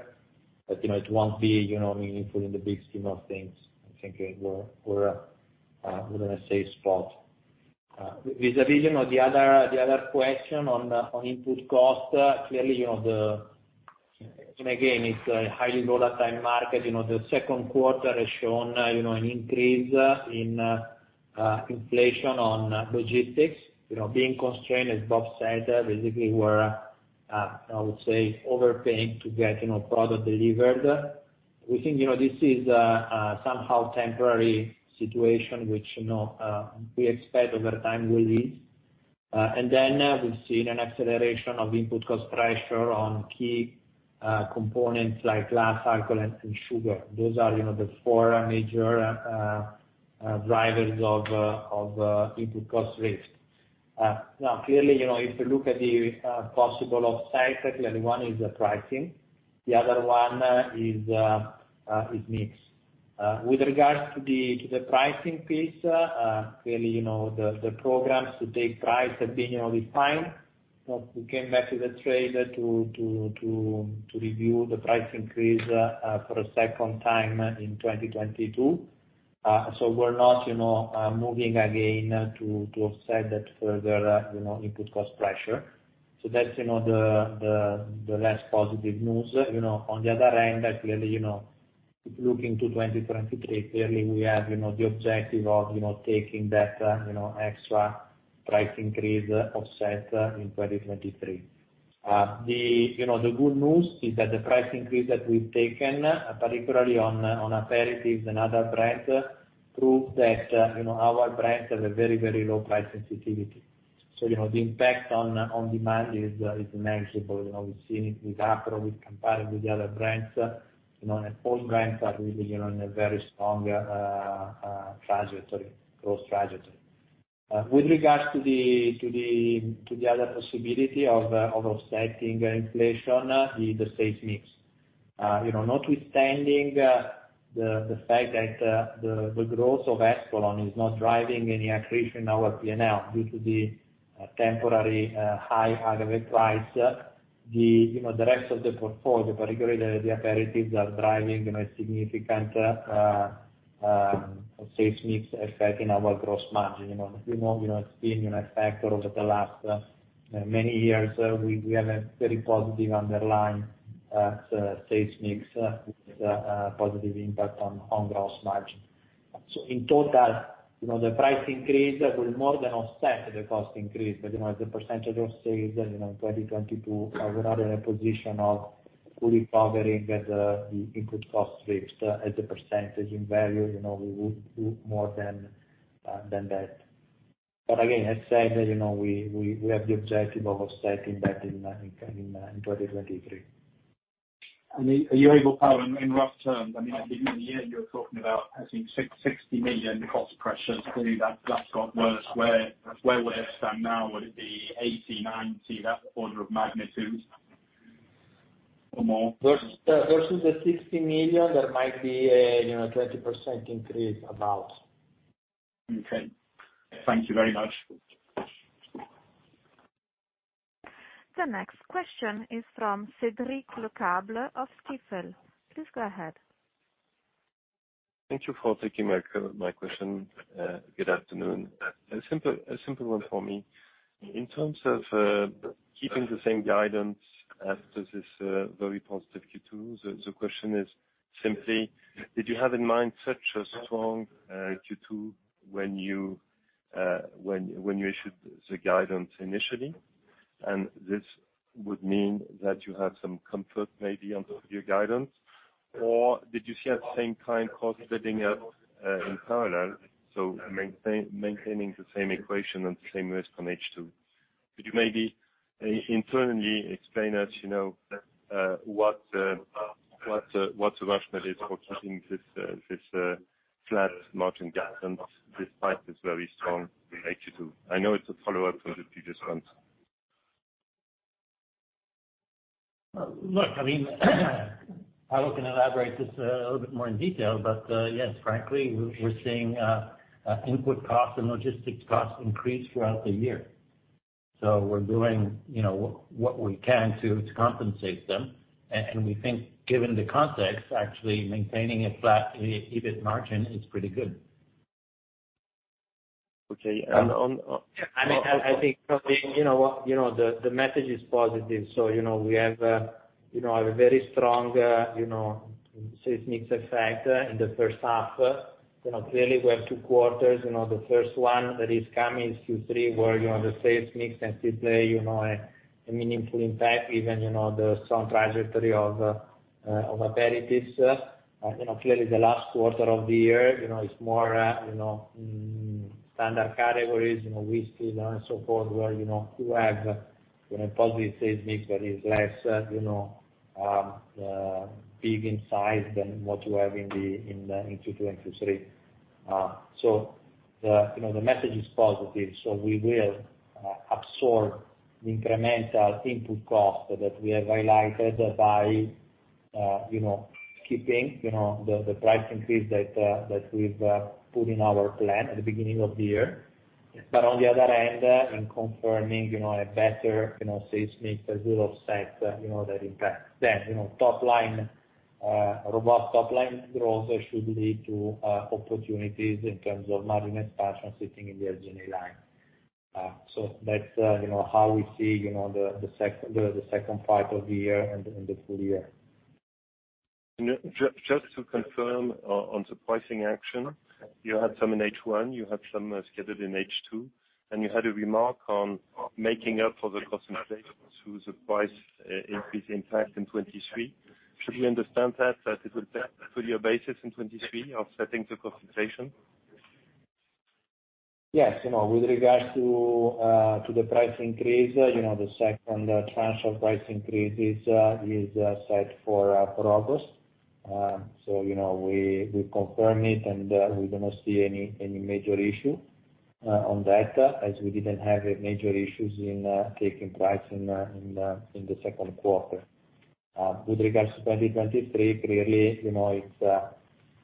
It won't be, you know, meaningful in the big scheme of things. I'm thinking we're in a safe spot. With the answer to the other question on input cost, clearly, you know. Again, it's a highly volatile market. You know, the second quarter has shown, you know, an increase in inflation on logistics. You know, being constrained, as Bob said, basically we're I would say overpaying to get, you know, product delivered. We think, you know, this is somehow temporary situation which, you know, we expect over time will ease. Then we've seen an acceleration of input cost pressure on key components like glass, alcohol and sugar. Those are, you know, the four major drivers of input cost risk. Now clearly, you know, if you look at the possible offsets, clearly one is the pricing, the other one is mix. With regards to the pricing piece, clearly, you know, the programs to take price have been, you know, refined. We came back to the trade to review the price increase for a second time in 2022. We're not, you know, moving again to offset that further, you know, input cost pressure. That's, you know, the less positive news. You know, on the other end, clearly, you know, looking to 2023, clearly we have, you know, the objective of, you know, taking that, you know, extra price increase offset in 2023. You know, the good news is that the price increase that we've taken, particularly on aperitifs and other brands, proves that, you know, our brands have a very low price sensitivity. You know, the impact on demand is manageable. You know, we've seen it with Aperol compared with the other brands, you know, and all brands are really, you know, in a very strong trajectory, growth trajectory. With regards to the other possibility of offsetting inflation, the sales mix. You know, notwithstanding the fact that the growth of Espolòn is not driving any accretion in our P&L due to the temporary high acquisition price, you know, the rest of the portfolio, particularly the aperitifs, are driving, you know, significant sales mix effect in our gross margin. You know, it's been, you know, a factor over the last many years. We have a very positive underlying sales mix positive impact on gross margin. In total, you know, the price increase will more than offset the cost increase. You know, as a percentage of sales, you know, in 2022, we are in a position of fully covering the input cost lifts as a percentage. In value, you know, we would do more than that. Again, as said, you know, we have the objective of offsetting that in 2023. Are you able, Paolo, in rough terms, I mean, at the beginning of the year, you were talking about, I think, 60 million cost pressures. Clearly that's got worse. Where would it stand now? Would it be 80 million-90 million, that order of magnitude or more? versus the 60 million, there might be a, you know, 20% increase about. Okay. Thank you very much. The next question is from Cédric Lecasble of Stifel. Please go ahead. Thank you for taking my question. Good afternoon. A simple one for me. In terms of keeping the same guidance after this very positive Q2, the question is simply, did you have in mind such a strong Q2 when you issued the guidance initially? This would mean that you have some comfort maybe on top of your guidance? Or did you see at the same time costs adding up in parallel, so maintaining the same equation and same risk on H2? Could you maybe internally explain to us, you know, what the rationale is for keeping this flat margin guidance despite this very strong H2? I know it's a follow-up to the previous one. Look, I mean, Paolo can elaborate this a little bit more in detail, but yes, frankly, we're seeing input costs and logistics costs increase throughout the year. We're doing, you know, what we can to compensate them. We think given the context, actually maintaining a flat EBIT margin is pretty good. Okay. I mean, I think, Cédric, you know, the message is positive. You know, we have a very strong sales mix effect in the first half. You know, clearly we have two quarters, you know, the first one that is coming is Q3, where you know, the sales mix can still play a meaningful impact given you know, the strong trajectory of aperitifs. You know, clearly the last quarter of the year is more standard categories, you know, whiskey and so forth, where you have positive sales mix, but is less big in size than what you have in Q2 and Q3. The message is positive, so we will absorb the incremental input cost that we have highlighted by keeping the price increase that we've put in our plan at the beginning of the year. On the other hand, in confirming a better sales mix that will offset that impact. You know, top line robust top line growth should lead to opportunities in terms of margin expansion sitting in the SG&A line. That's how we see the second part of the year and the full year. Just to confirm on the pricing action, you had some in H1, you have some scheduled in H2, and you had a remark on making up for the cost inflation through the price increase impact in 2023. Should we understand that it will be a full-year basis in 2023 of offsetting the cost inflation? Yes. You know, with regards to the price increase, you know, the second tranche of price increase is set for August. You know, we confirm it, and we do not see any major issue on that, as we didn't have major issues in taking price in the second quarter. With regards to 2023, clearly, you know, it's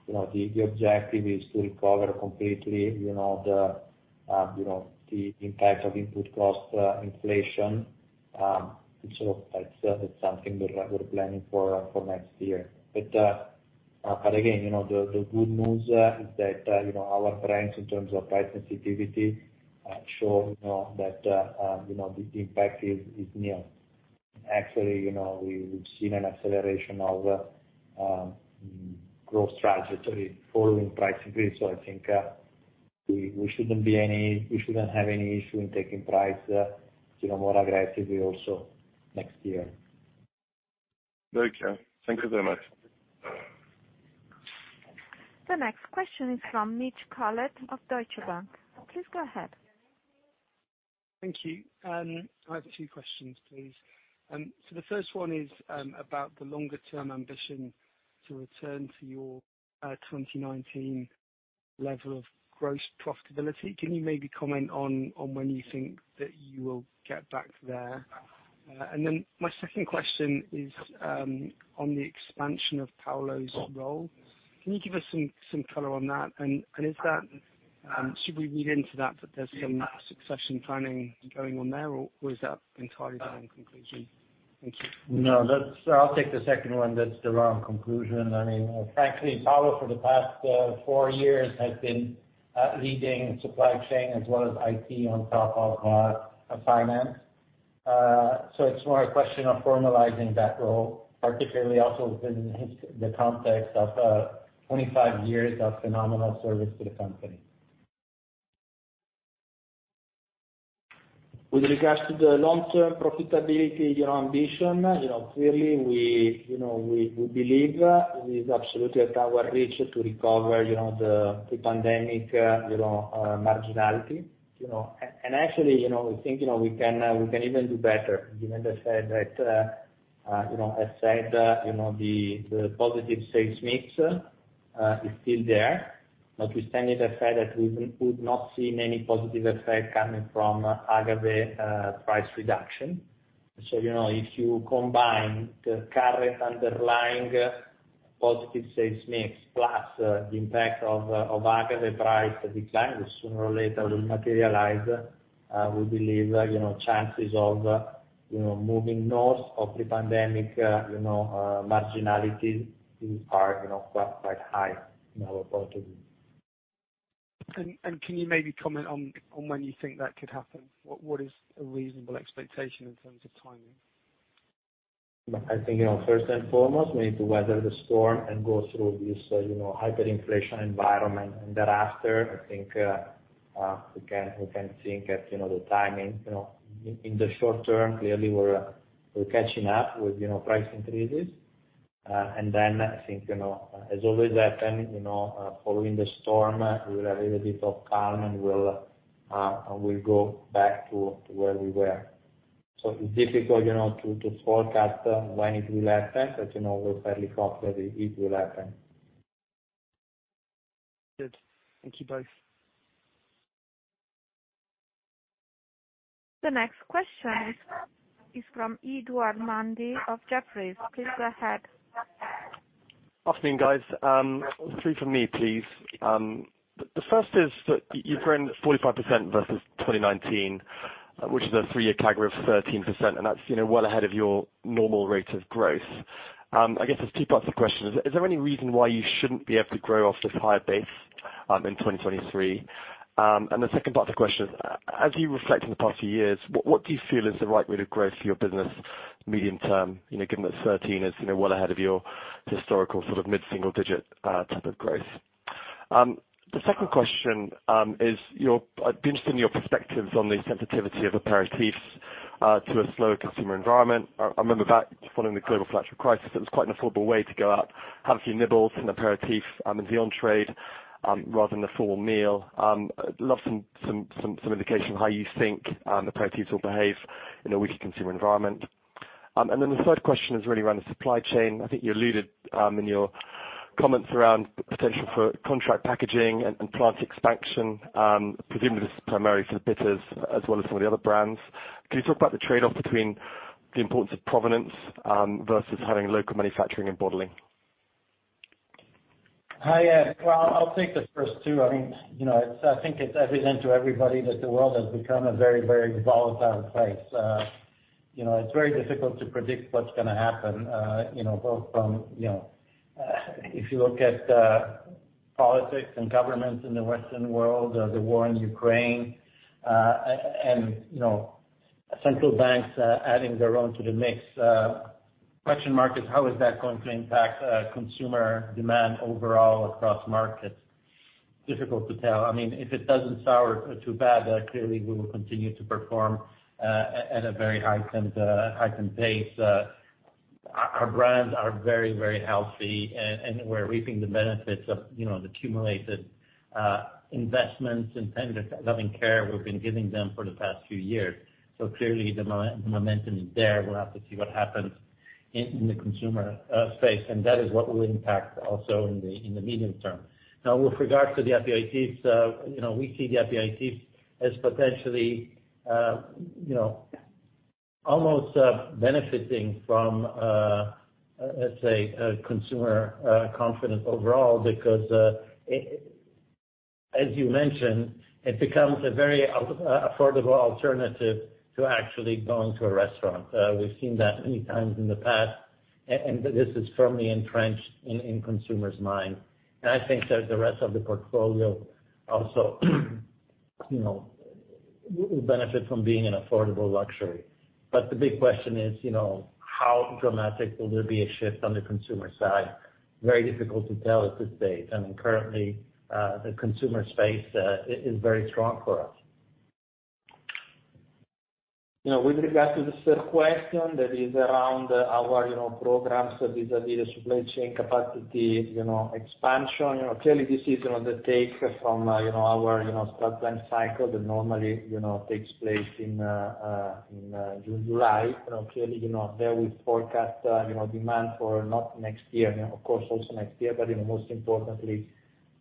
you know, the objective is to recover completely, you know, the you know, the impact of input cost inflation, which, you know, like I said, it's something we're planning for next year. again, you know, the good news is that, you know, our brands in terms of price sensitivity show, you know, that, you know, the impact is nil. Actually, you know, we've seen an acceleration of Growth trajectory following price increase. I think we shouldn't have any issue in taking price, you know, more aggressively also next year. Very clear. Thank you very much. The next question is from Mitch Collett of Deutsche Bank. Please go ahead. Thank you. I have two questions, please. So the first one is about the longer-term ambition to return to your 2019 level of gross profitability. Can you maybe comment on when you think that you will get back there? And then my second question is on the expansion of Paolo's role. Can you give us some color on that? And is that should we read into that there's some succession planning going on there or is that entirely the wrong conclusion? Thank you. No, that's. I'll take the second one. That's the wrong conclusion. I mean, frankly, Paolo, for the past four years has been leading supply chain as well as IT on top of finance. It's more a question of formalizing that role, particularly also within the context of 25 years of phenomenal service to the company. With regards to the long-term profitability ambition, you know, clearly we believe it is absolutely within our reach to recover, you know, the pre-pandemic marginality, you know. Actually, you know, we think, you know, we can even do better given the fact that, you know, as said, you know, the positive sales mix is still there. We set it aside that we've not seen any positive effect coming from agave price reduction. You know, if you combine the current underlying positive sales mix plus the impact of agave price decline, which sooner or later will materialize, we believe, you know, chances of, you know, moving north of pre-pandemic marginalities are, you know, quite high in our point of view. Can you maybe comment on when you think that could happen? What is a reasonable expectation in terms of timing? I think, you know, first and foremost, we need to weather the storm and go through this, you know, hyperinflation environment. Thereafter, I think, we can think at, you know, the timing. You know, in the short term, clearly we're catching up with, you know, price increases. I think, you know, as always happen, you know, following the storm we'll have a little bit of calm, and we'll go back to where we were. It's difficult, you know, to forecast when it will happen, but, you know, we're fairly confident it will happen. Good. Thank you both. The next question is from Edward Mundy of Jefferies. Please go ahead. Afternoon, guys. Three from me, please. The first is that you've grown 45% versus 2019, which is a three-year CAGR of 13%, and that's, you know, well ahead of your normal rate of growth. I guess there's two parts of the question. Is there any reason why you shouldn't be able to grow off this higher base in 2023? The second part of the question is, as you reflect on the past few years, what do you feel is the right rate of growth for your business medium term? You know, given that 13 is, you know, well ahead of your historical sort of mid-single digit type of growth. The second question is your. I'd be interested in your perspectives on the sensitivity of aperitifs to a slower consumer environment. I remember back following the global financial crisis, it was quite an affordable way to go out, have a few nibbles and aperitif in the on-trade rather than a full meal. I'd love some indication of how you think aperitifs will behave in a weaker consumer environment. The third question is really around the supply chain. I think you alluded in your comments around potential for contract packaging and plant expansion. Presumably this is primarily for the bitters as well as some of the other brands. Can you talk about the trade-off between the importance of provenance versus having local manufacturing and bottling? Hi, Ed. Well, I'll take the first two. I mean, you know, it's, I think it's evident to everybody that the world has become a very, very volatile place. You know, it's very difficult to predict what's gonna happen, you know, both from, you know, if you look at, politics and governments in the Western world, the war in Ukraine, and, you know, central banks, adding their own to the mix, question mark is how is that going to impact, consumer demand overall across markets? Difficult to tell. I mean, if it doesn't sour too bad, clearly we will continue to perform, at a very heightened pace. Our brands are very, very healthy and we're reaping the benefits of, you know, the accumulated investments and tender loving care we've been giving them for the past few years. Clearly the momentum is there. We'll have to see what happens in the consumer space, and that is what will impact also in the medium term. Now, with regard to the aperitifs, you know, we see the aperitifs as potentially, you know, almost benefiting from, let's say a consumer confidence overall. Because it, as you mentioned, it becomes a very affordable alternative to actually going to a restaurant. We've seen that many times in the past, and this is firmly entrenched in consumers' mind. I think that the rest of the portfolio also, you know, we benefit from being an affordable luxury. The big question is, you know, how dramatic will there be a shift on the consumer side? Very difficult to tell at this stage. I mean, currently, the consumer space is very strong for us. You know, with regard to the third question that is around our, you know, programs vis-à-vis the supply chain capacity, you know, expansion. You know, clearly this is, you know, the takeaway from, you know, our, you know, strategic cycle that normally, you know, takes place in June, July. You know, clearly, you know, there we forecast, you know, demand for not next year, you know, of course also next year, but, you know, most importantly,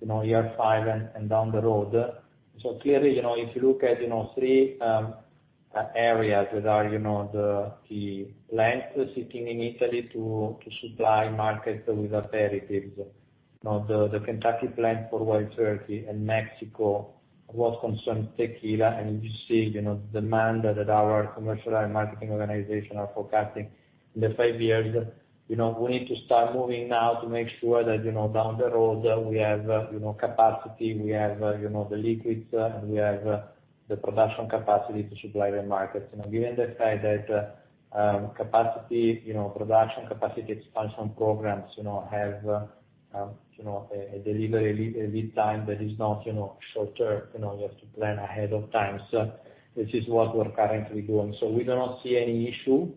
you know, year five and down the road. Clearly, you know, if you look at, you know, three areas that are, you know, the plants sitting in Italy to supply markets with aperitifs. You know, the Kentucky plant for Wild Turkey and in Mexico, which concerns tequila and you see, you know, demand that our commercial and marketing organization are forecasting in the five years. You know, we need to start moving now to make sure that, you know, down the road we have, you know, capacity, we have, you know, the liquids, we have the production capacity to supply the market. You know, given the fact that capacity, you know, production capacity expansion programs, you know, have a delivery lead time that is not, you know, short-term, you know, we have to plan ahead of time. This is what we're currently doing. We do not see any issue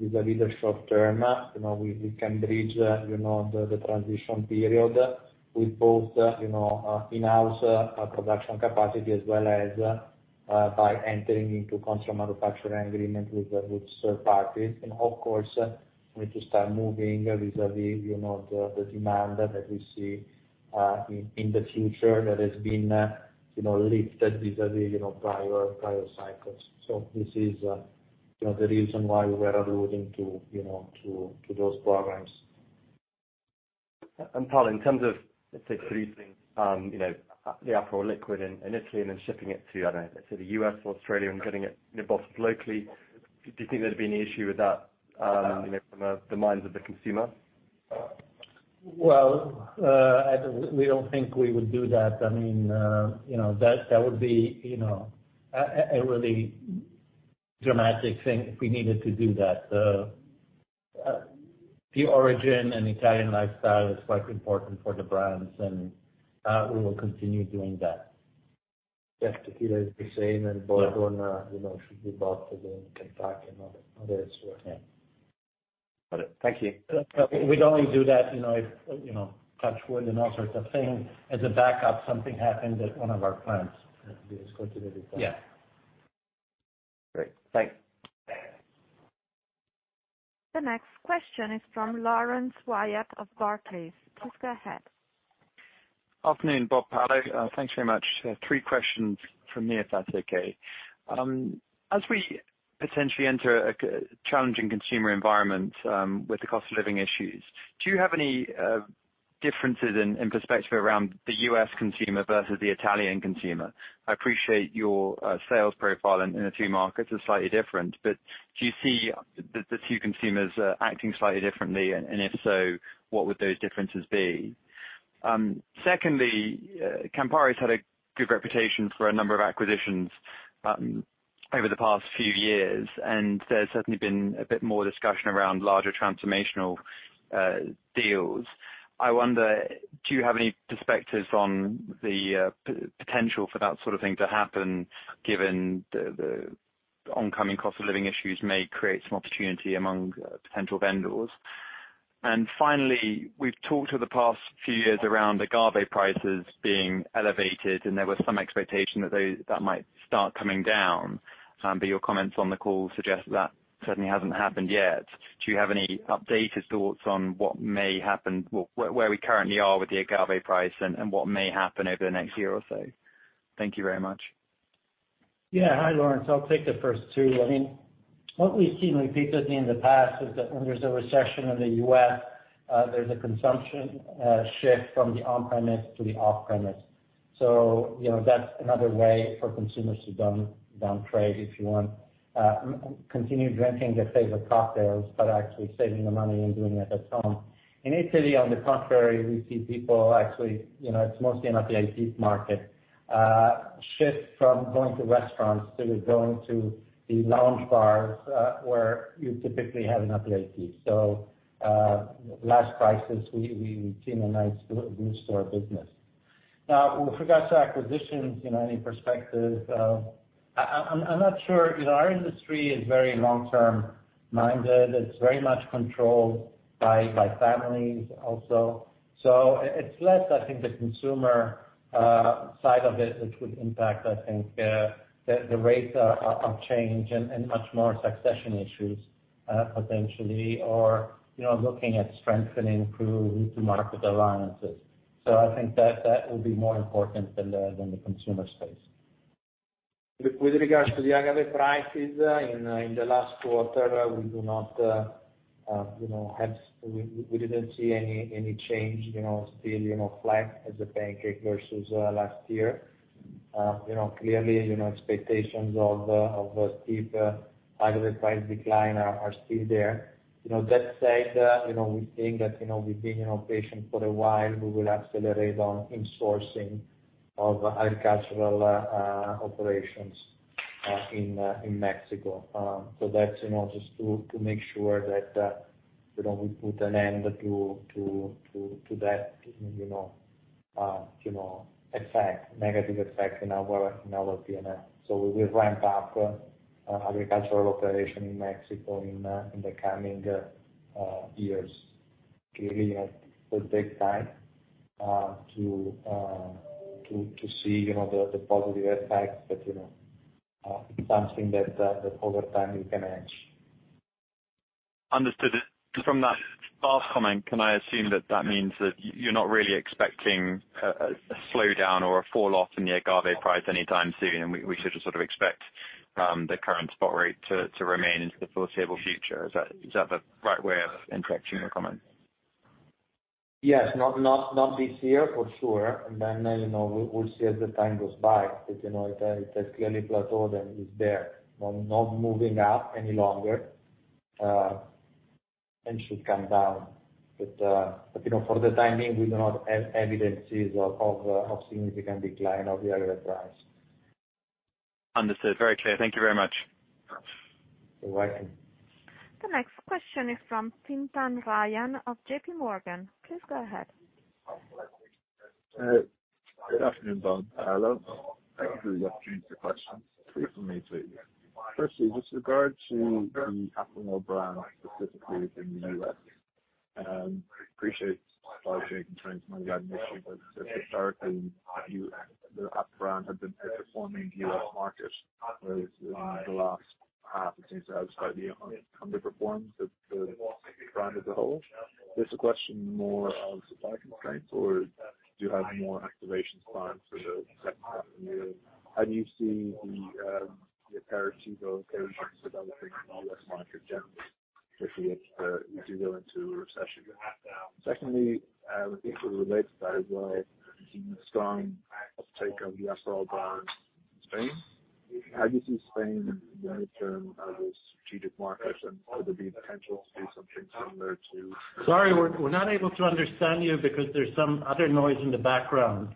in the short term. You know, we can bridge, you know, the transition period with both, you know, in-house production capacity as well as by entering into contract manufacturing agreement with third parties. Of course, we need to start moving vis-à-vis, you know, the demand that we see in the future that has been, you know, lifted vis-à-vis, you know, prior cycles. This is, you know, the reason why we are alluding to, you know, to those programs. Paolo, in terms of, let's say producing, you know, the Aperol liquid in Italy and then shipping it to, I don't know, say the U.S. or Australia and getting it, you know, bottled locally, do you think there'd be any issue with that, you know, from the minds of the consumer? Well, we don't think we would do that. I mean, you know, that would be, you know, a really dramatic thing if we needed to do that. The origin and Italian lifestyle is quite important for the brands, and we will continue doing that. Yes, tequila is the same and bourbon, you know, should be bought in Kentucky and other stores. Okay. Got it. Thank you. We'd only do that, you know, if, you know, touch wood and all sorts of things, as a backup, something happened at one of our plants is going to be the case. Yeah. Great. Thanks. The next question is from Laurence Whyatt of Barclays. Please go ahead. Afternoon, Bob, Paolo. Thanks very much. Three questions from me, if that's okay. As we potentially enter a challenging consumer environment with the cost of living issues, do you have any differences in perspective around the U.S. consumer versus the Italian consumer? I appreciate your sales profile in the two markets are slightly different, but do you see the two consumers acting slightly differently? And if so, what would those differences be? Secondly, Campari's had a good reputation for a number of acquisitions over the past few years, and there's certainly been a bit more discussion around larger transformational deals. I wonder, do you have any perspectives on the potential for that sort of thing to happen, given the oncoming cost of living issues may create some opportunity among potential vendors? Finally, we've talked for the past few years about agave prices being elevated, and there was some expectation that they might start coming down. But your comments on the call suggest that certainly hasn't happened yet. Do you have any updated thoughts on what may happen, where we currently are with the agave price and what may happen over the next year or so? Thank you very much. Yeah. Hi, Laurence. I'll take the first two. I mean, what we've seen repeatedly in the past is that when there's a recession in the U.S., there's a consumption shift from the on-premise to the off-premise. You know, that's another way for consumers to down trade, if you want, continue drinking their favorite cocktails, but actually saving the money and doing it at home. In Italy, on the contrary, we see people actually. You know, it's mostly an aperitif market, shift from going to restaurants to going to the lounge bars, where you typically have an aperitif. Last crisis, we seen a nice boost to our business. Now, with regards to acquisitions, you know, any perspective, I'm not sure. You know, our industry is very long-term minded. It's very much controlled by families also. It's less, I think the consumer side of it, which would impact, I think, the rates of change and much more succession issues, potentially, or, you know, looking at strengthening through new to market alliances. I think that will be more important than the consumer space. With regards to the agave prices in the last quarter, we didn't see any change, you know, still flat as a pancake versus last year. You know, clearly expectations of a steep agave price decline are still there. You know, that said, we think that we've been patient for a while. We will accelerate on insourcing of agricultural operations. In Mexico. That's, you know, just to make sure that, you know, we put an end to that, you know, negative effect in our P&L. We will ramp up agricultural operation in Mexico in the coming years. Clearly, you know, it will take time to see, you know, the positive effects. It's something that over time we can manage. Understood. From that last comment, can I assume that means that you're not really expecting a slowdown or a fall off in the agave price anytime soon, and we should just sort of expect the current spot rate to remain into the foreseeable future? Is that the right way of interpreting your comment? Yes. Not this year, for sure. You know, we'll see as the time goes by. You know, it has clearly plateaued and is there, not moving up any longer, and should come down. You know, for the time being, we do not have evidence of significant decline of the agave price. Understood. Very clear. Thank you very much. You're welcome. The next question is from Fintan Ryan of JPMorgan. Please go ahead. Good afternoon, Bob, Paolo. Thank you for the opportunity to question. Three from me, please. Firstly, with regard to the Aperol brand, specifically in the U.S., appreciate the strategy in terms of historically. The Aperol brand had been outperforming the U.S. market, whereas in the last half, it seems to have slightly underperformed the brand as a whole. Is this a question more of supply constraints, or do you have more activations planned for the second half of the year? How do you see the aperitivo occasions developing in the U.S. market generally, especially if we do go into a recession? Secondly, which is related to that as well, we've seen strong uptake of the Aperol brand in Spain. How do you see Spain in the long term as a strategic market, and could there be potential to do something similar to? Sorry, we're not able to understand you because there's some other noise in the background.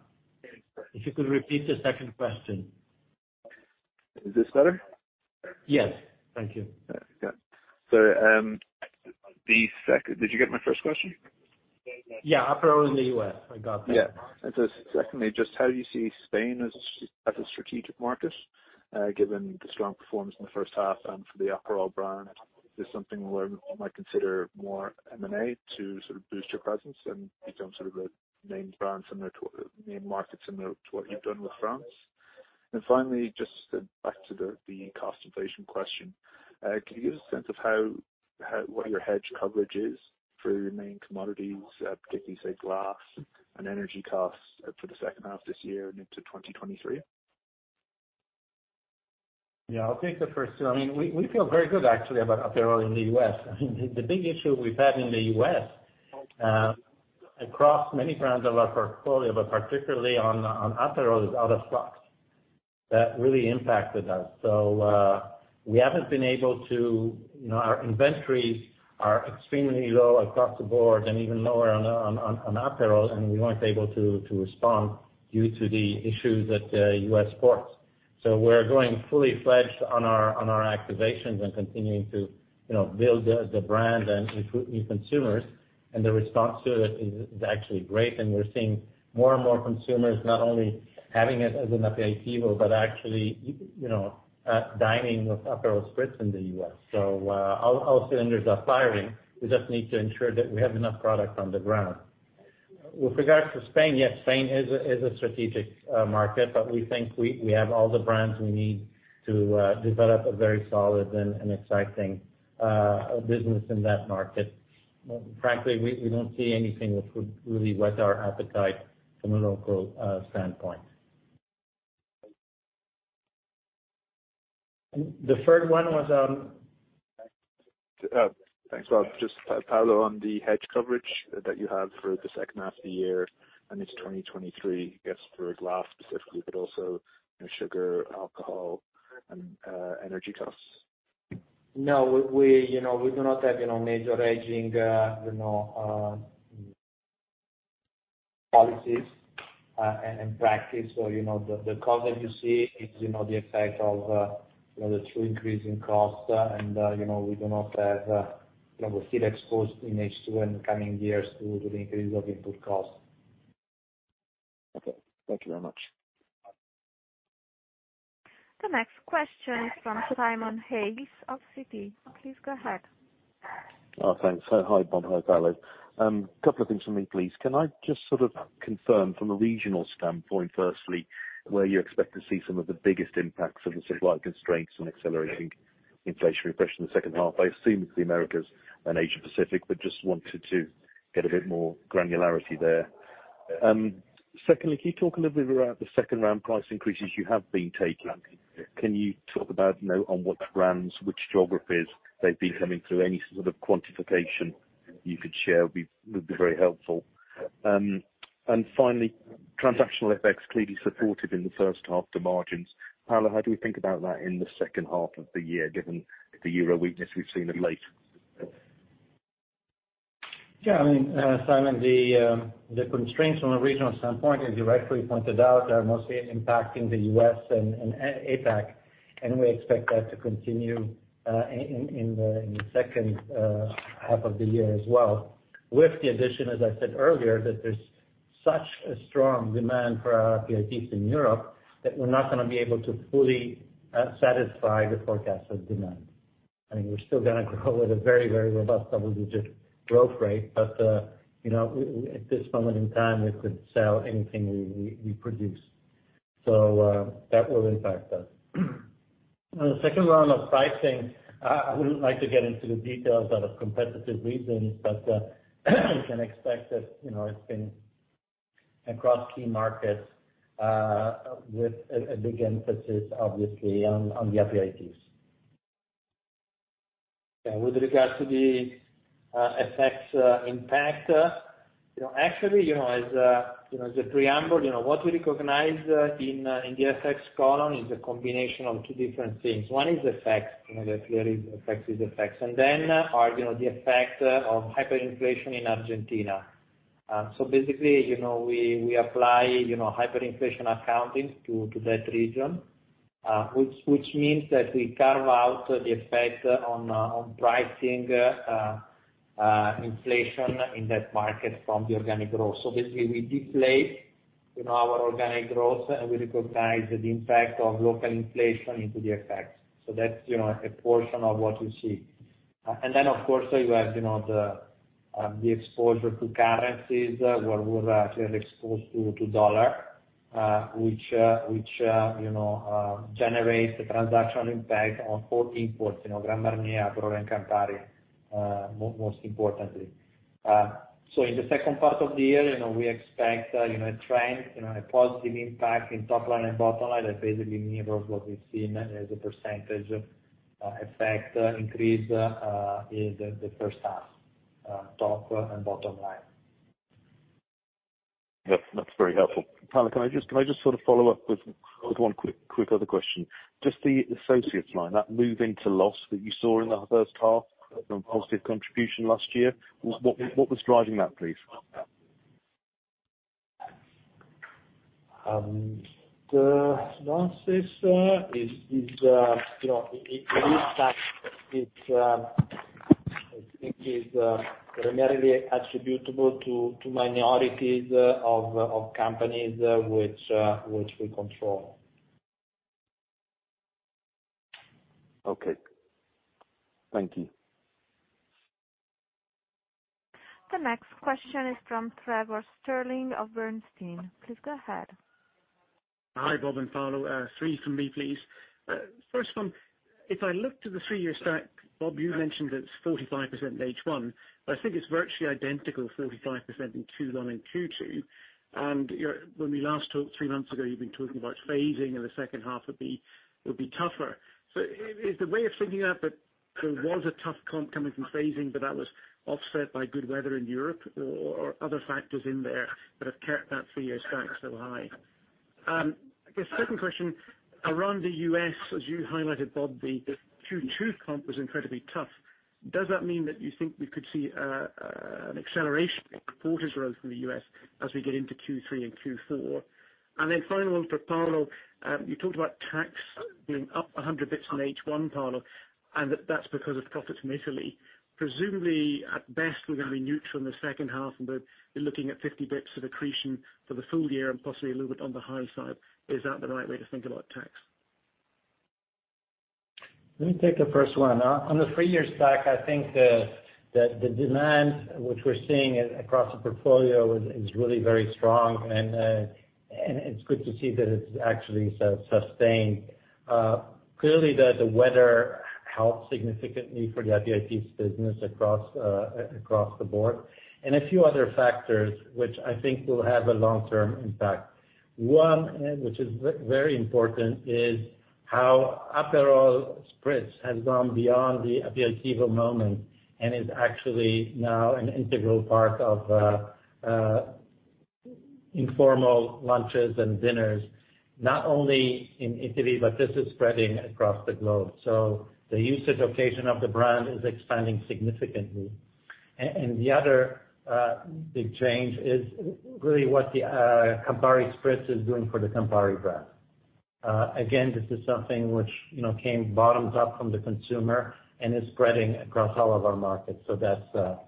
If you could repeat the second question. Is this better? Yes. Thank you. Yeah. Did you get my first question? Yeah, Aperol in the U.S. I got that. Yeah. Secondly, just how do you see Spain as a strategic market, given the strong performance in the first half and for the Aperol brand? Is something where you might consider more M&A to sort of boost your presence and become sort of a name brand similar to main market similar to what you've done with France? Finally, just back to the cost inflation question. Can you give us a sense of what your hedge coverage is for your main commodities, particularly, say, glass and energy costs for the second half of this year and into 2023? Yeah, I'll take the first two. I mean, we feel very good actually about Aperol in the U.S. I mean, the big issue we've had in the U.S. across many brands of our portfolio, but particularly on Aperol, is out-of-stocks. That really impacted us. We haven't been able to. You know, our inventories are extremely low across the board and even lower on Aperol, and we weren't able to respond due to the issues at U.S. ports. We're going full-fledged on our activations and continuing to, you know, build the brand and recruit new consumers. The response to it is actually great, and we're seeing more and more consumers not only having it as an aperitivo, but actually, you know, dining with Aperol Spritz in the U.S. All cylinders are firing. We just need to ensure that we have enough product on the ground. With regards to Spain, yes, Spain is a strategic market, but we think we have all the brands we need to develop a very solid and exciting business in that market. Frankly, we don't see anything which would really whet our appetite from a local standpoint. The third one was? Thanks, Bob. Just, Paolo, on the hedge coverage that you have for the second half of the year and into 2023, I guess for glass specifically, but also, you know, sugar, alcohol and energy costs. No, you know, we do not have you know major hedging policies and practice. You know, the cost that you see is you know the effect of the true increase in cost. You know, we do not have you know we're still exposed in H2 in the coming years to the increase of input costs. Okay. Thank you very much. The next question is from Simon Hales of Citi. Please go ahead. Oh, thanks. Hi, Bob. Hi, Paolo. Couple of things from me, please. Can I just sort of confirm from a regional standpoint, firstly, where you expect to see some of the biggest impacts of the supply constraints on accelerating inflation refresh in the second half? I assume it's the Americas and Asia Pacific, but just wanted to get a bit more granularity there. Secondly, can you talk a little bit about the second-round price increases you have been taking? Can you talk about, you know, on which brands, which geographies they've been coming through? Any sort of quantification you could share would be very helpful. Finally, transactional FX clearly supported the margins in the first half. Paolo, how do we think about that in the second half of the year, given the euro weakness we've seen of late? Yeah, I mean, Simon, the constraints from a regional standpoint, as you rightly pointed out, are mostly impacting the U.S. and APAC, and we expect that to continue in the second half of the year as well, with the addition, as I said earlier, that there's such a strong demand for our aperitifs in Europe that we're not gonna be able to fully satisfy the forecasted demand. I mean, we're still gonna grow at a very robust double-digit growth rate, but you know, at this moment in time, we could sell anything we produce. So, that will impact us. On the second round of pricing, I wouldn't like to get into the details out of competitive reasons, but you can expect that, you know, it's been across key markets with a big emphasis, obviously, on the aperitifs. Yeah. With regards to the FX impact, you know, actually, as a preamble, you know, what we recognize in the FX column is a combination of two different things. One is FX. You know, that clearly affects the FX. Then the effect of hyperinflation in Argentina. Basically, you know, we apply hyperinflation accounting to that region, which means that we carve out the effect on pricing inflation in that market from the organic growth. Basically, we deflate our organic growth, and we recognize the impact of local inflation into the FX. That's a portion of what you see. Of course you have, you know, the exposure to currencies where we're actually exposed to the dollar, which, you know, generates a transactional impact on all imports, you know, Grand Marnier, Aperol and Campari, most importantly. In the second part of the year, you know, we expect, you know, a trend, you know, a positive impact in top line and bottom line that basically mirrors what we've seen as a percentage of effect increase in the first half, top and bottom line. Yep, that's very helpful. Paolo, can I just sort of follow up with one quick other question? Just the SG&A line, that move into loss that you saw in the first half from positive contribution last year, what was driving that, please? The losses is, you know, in this case, it's, I think, primarily attributable to minorities of companies which we control. Okay. Thank you. The next question is from Trevor Stirling of Bernstein. Please go ahead. Hi, Bob and Paolo. Three from me, please. First one, if I look to the three-year stack, Bob, you mentioned it's 45% in H1, but I think it's virtually identical 45% in Q1 and Q2. Your, when we last talked three months ago, you've been talking about phasing, and the second half would be tougher. Is the way of thinking that there was a tough comp coming from phasing, but that was offset by good weather in Europe or other factors in there that have kept that three-year stack so high? I guess second question, around the U.S., as you highlighted, Bob, the Q2 comp was incredibly tough. Does that mean that you think we could see an acceleration in quarterly growth in the U.S. as we get into Q3 and Q4? Final one for Paolo, you talked about tax being up 100 basis points on H1, Paolo, and that's because of profits from Italy. Presumably, at best, we're gonna be neutral in the second half, and we're looking at 50 basis points of accretion for the full year and possibly a little bit on the high side. Is that the right way to think about tax? Let me take the first one. On the three-year stack, I think the demand which we're seeing across the portfolio is really very strong, and it's good to see that it's actually sustained. Clearly the weather helped significantly for the aperitifs business across the board, and a few other factors which I think will have a long-term impact. One which is very important is how Aperol Spritz has gone beyond the aperitivo moment and is actually now an integral part of informal lunches and dinners, not only in Italy, but this is spreading across the globe. The usage occasion of the brand is expanding significantly. The other big change is really what the Campari Spritz is doing for the Campari brand. Again, this is something which, you know, came bottoms up from the consumer and is spreading across all of our markets. That's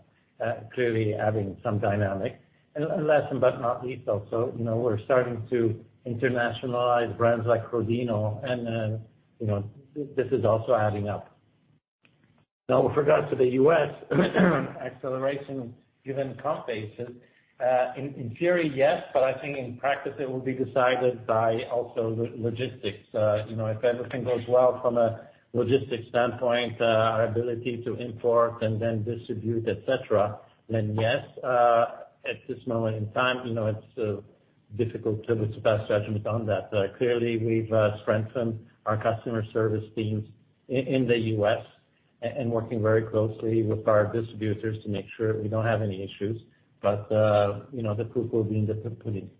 clearly adding some dynamic. Last but not least also, you know, we're starting to internationalize brands like Crodino, and, you know, this is also adding up. Now, with regards to the U.S. acceleration given comp basis, in theory, yes, but I think in practice it will be decided by also logistics. You know, if everything goes well from a logistics standpoint, our ability to import and then distribute, et cetera, then yes. At this moment in time, you know, it's difficult to pass judgment on that. Clearly we've strengthened our customer service teams in the U.S. and working very closely with our distributors to make sure we don't have any issues. you know, the proof will be in the pudding.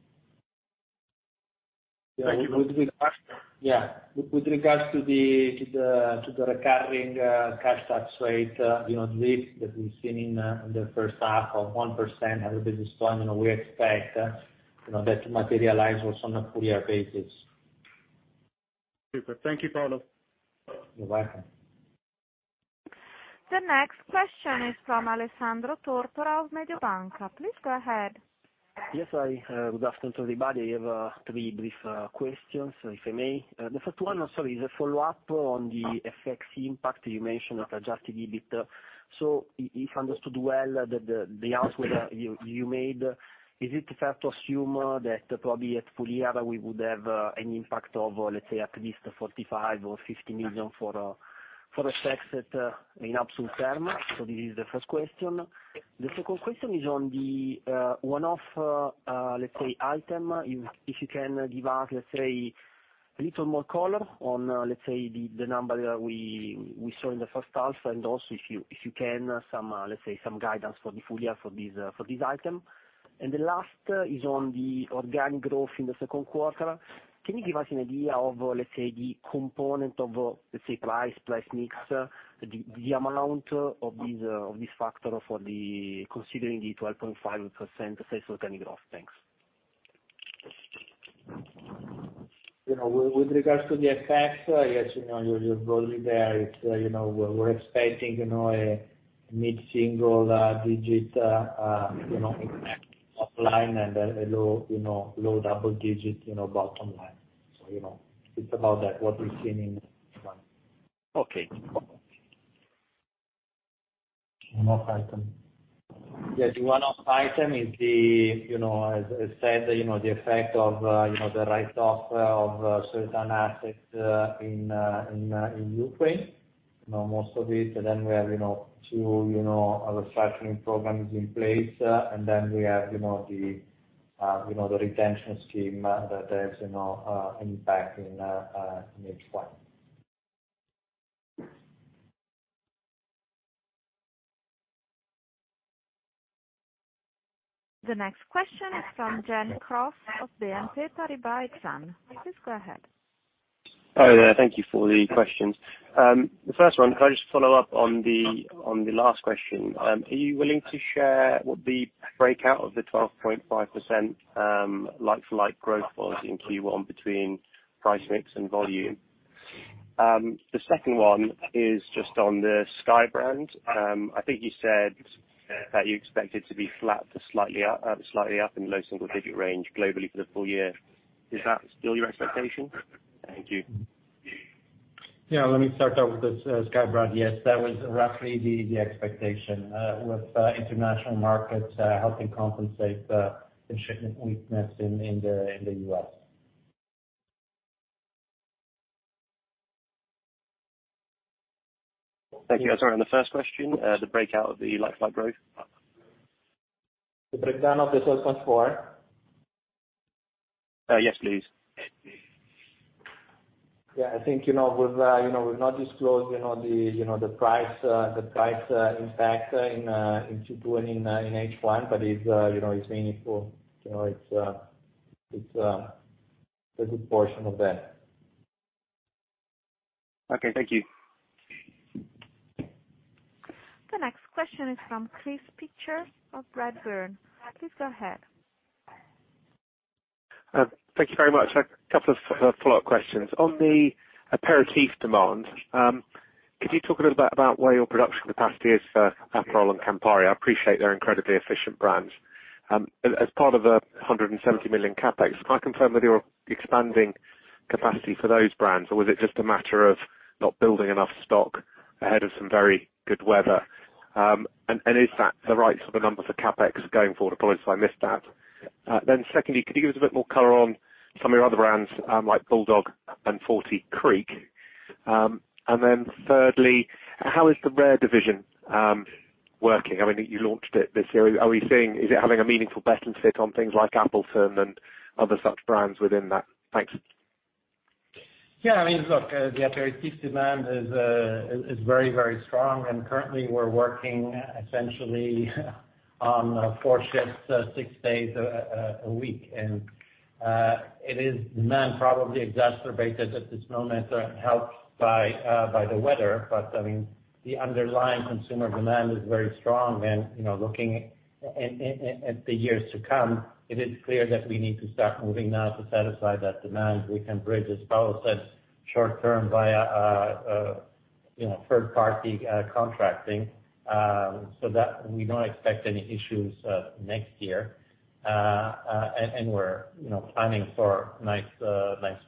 Yeah. With regards to the recurring cash tax rate, you know, the lift that we've seen in the first half of 1%, everybody is fine and we expect, you know, that to materialize also on a full year basis. Super. Thank you, Paolo. You're welcome. The next question is from Alessandro Tortora of Mediobanca. Please go ahead. Yes. Hi, good afternoon, everybody. I have three brief questions, if I may. The first one, I'm sorry, is a follow-up on the FX impact you mentioned of adjusted EBIT. If I understood well, the outlook you made, is it fair to assume that probably at full year we would have an impact of, let's say, at least 45 million or 50 million for FX in absolute terms? This is the first question. The second question is on the one-off, let's say, item. If you can give us, let's say, a little more color on, let's say, the number that we saw in the first half, and also if you can give us, let's say, some guidance for the full year for this item. The last is on the organic growth in the second quarter. Can you give us an idea of, let's say, the component of, let's say, price plus mix, the amount of these of this factor considering the 12.5% sales organic growth. Thanks. You know, with regards to the FX, I guess, you know, you're probably there. You know, we're expecting, you know, a mid-single-digit impact top line and a low double-digit, you know, bottom line. You know, it's about that what we've seen in one. Okay. One-off item. Yeah, the one-off item is the, you know, as I said, you know, the effect of, you know, the write-off of certain assets in Ukraine, you know, most of it. We have, you know, two other structuring programs in place. We have, you know, the retention scheme that has, you know, impact in H1. The next question is from Gen Cross of BNP Paribas Exane. Please go ahead. Oh, yeah. Thank you for the questions. The first one, can I just follow up on the last question? Are you willing to share what the breakout of the 12.5% like-for-like growth was in Q1 between price mix and volume? The second one is just on the SKYY brand. I think you said that you expect it to be flat to slightly up in low single-digit range globally for the full year. Is that still your expectation? Thank you. Yeah. Let me start off with the SKYY brand. Yes. That was roughly the expectation with international markets helping compensate the shipment weakness in the U.S.. Thank you. Sorry, on the first question, the breakdown of the like-for-like growth. The breakdown of the 12.4%? Yes, please. Yeah. I think, you know, with, you know, we've not disclosed, you know, the, you know, the price impact in Q2 and in H1. It's, you know, a good portion of that. Okay. Thank you. The next question is from Chris Pitcher of Redburn. Please go ahead. Thank you very much. A couple of follow-up questions. On the aperitif demand, could you talk a little bit about where your production capacity is for Aperol and Campari? I appreciate they're incredibly efficient brands. As part of the 170 million CapEx, can I confirm that you're expanding capacity for those brands? Or was it just a matter of not building enough stock ahead of some very good weather? And is that the right sort of number for CapEx going forward? I apologize if I missed that. Secondly, could you give us a bit more color on some of your other brands, like BULLDOG and Forty Creek? And thirdly, how is the RARE division working? I mean, you launched it this year. Are we seeing it having a meaningful better fit on things like Appleton and other such brands within that? Thanks. Yeah. I mean, look, the aperitif demand is very, very strong. Currently we're working essentially on four shifts, six days a week. The demand is probably exacerbated at this moment, helped by the weather. I mean, the underlying consumer demand is very strong. Looking at the years to come, it is clear that we need to start moving now to satisfy that demand. We can bridge, as Paolo said, short term via third party contracting, so that we don't expect any issues next year. We're planning for nice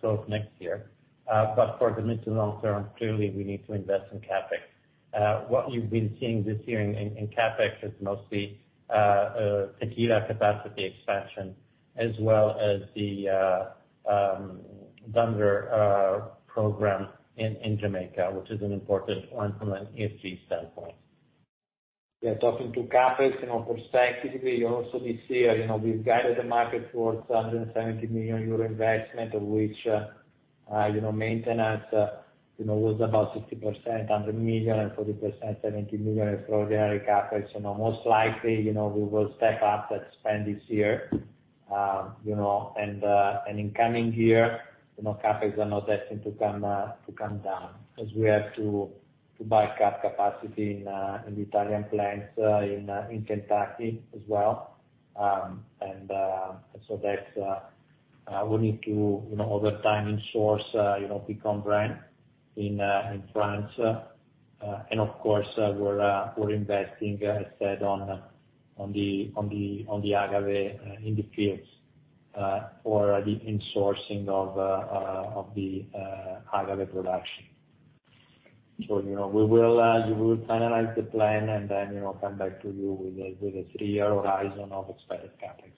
growth next year. For the mid- to long-term, clearly we need to invest in CapEx. What you've been seeing this year in CapEx is mostly tequila capacity expansion as well as the Thunder program in Jamaica, which is an important one from an ESG standpoint. Yeah. Talking to CapEx, you know, prospectively also this year, you know, we've guided the market towards 170 million euro investment, of which, You know, maintenance was about 60%, 100 million, and 40%, 70 million extraordinary CapEx. You know, most likely, you know, we will step up and spend this year. In coming year, you know, CapEx are not destined to come down, because we have to buy back capacity in the Italian plants in Kentucky as well. We need to, you know, over time insource, you know, Picon brand in France. Of course, we're investing, as I said on the agave in the fields for the insourcing of the agave production. You know, we will finalize the plan, and then, you know, come back to you with a three-year horizon of expected CapEx.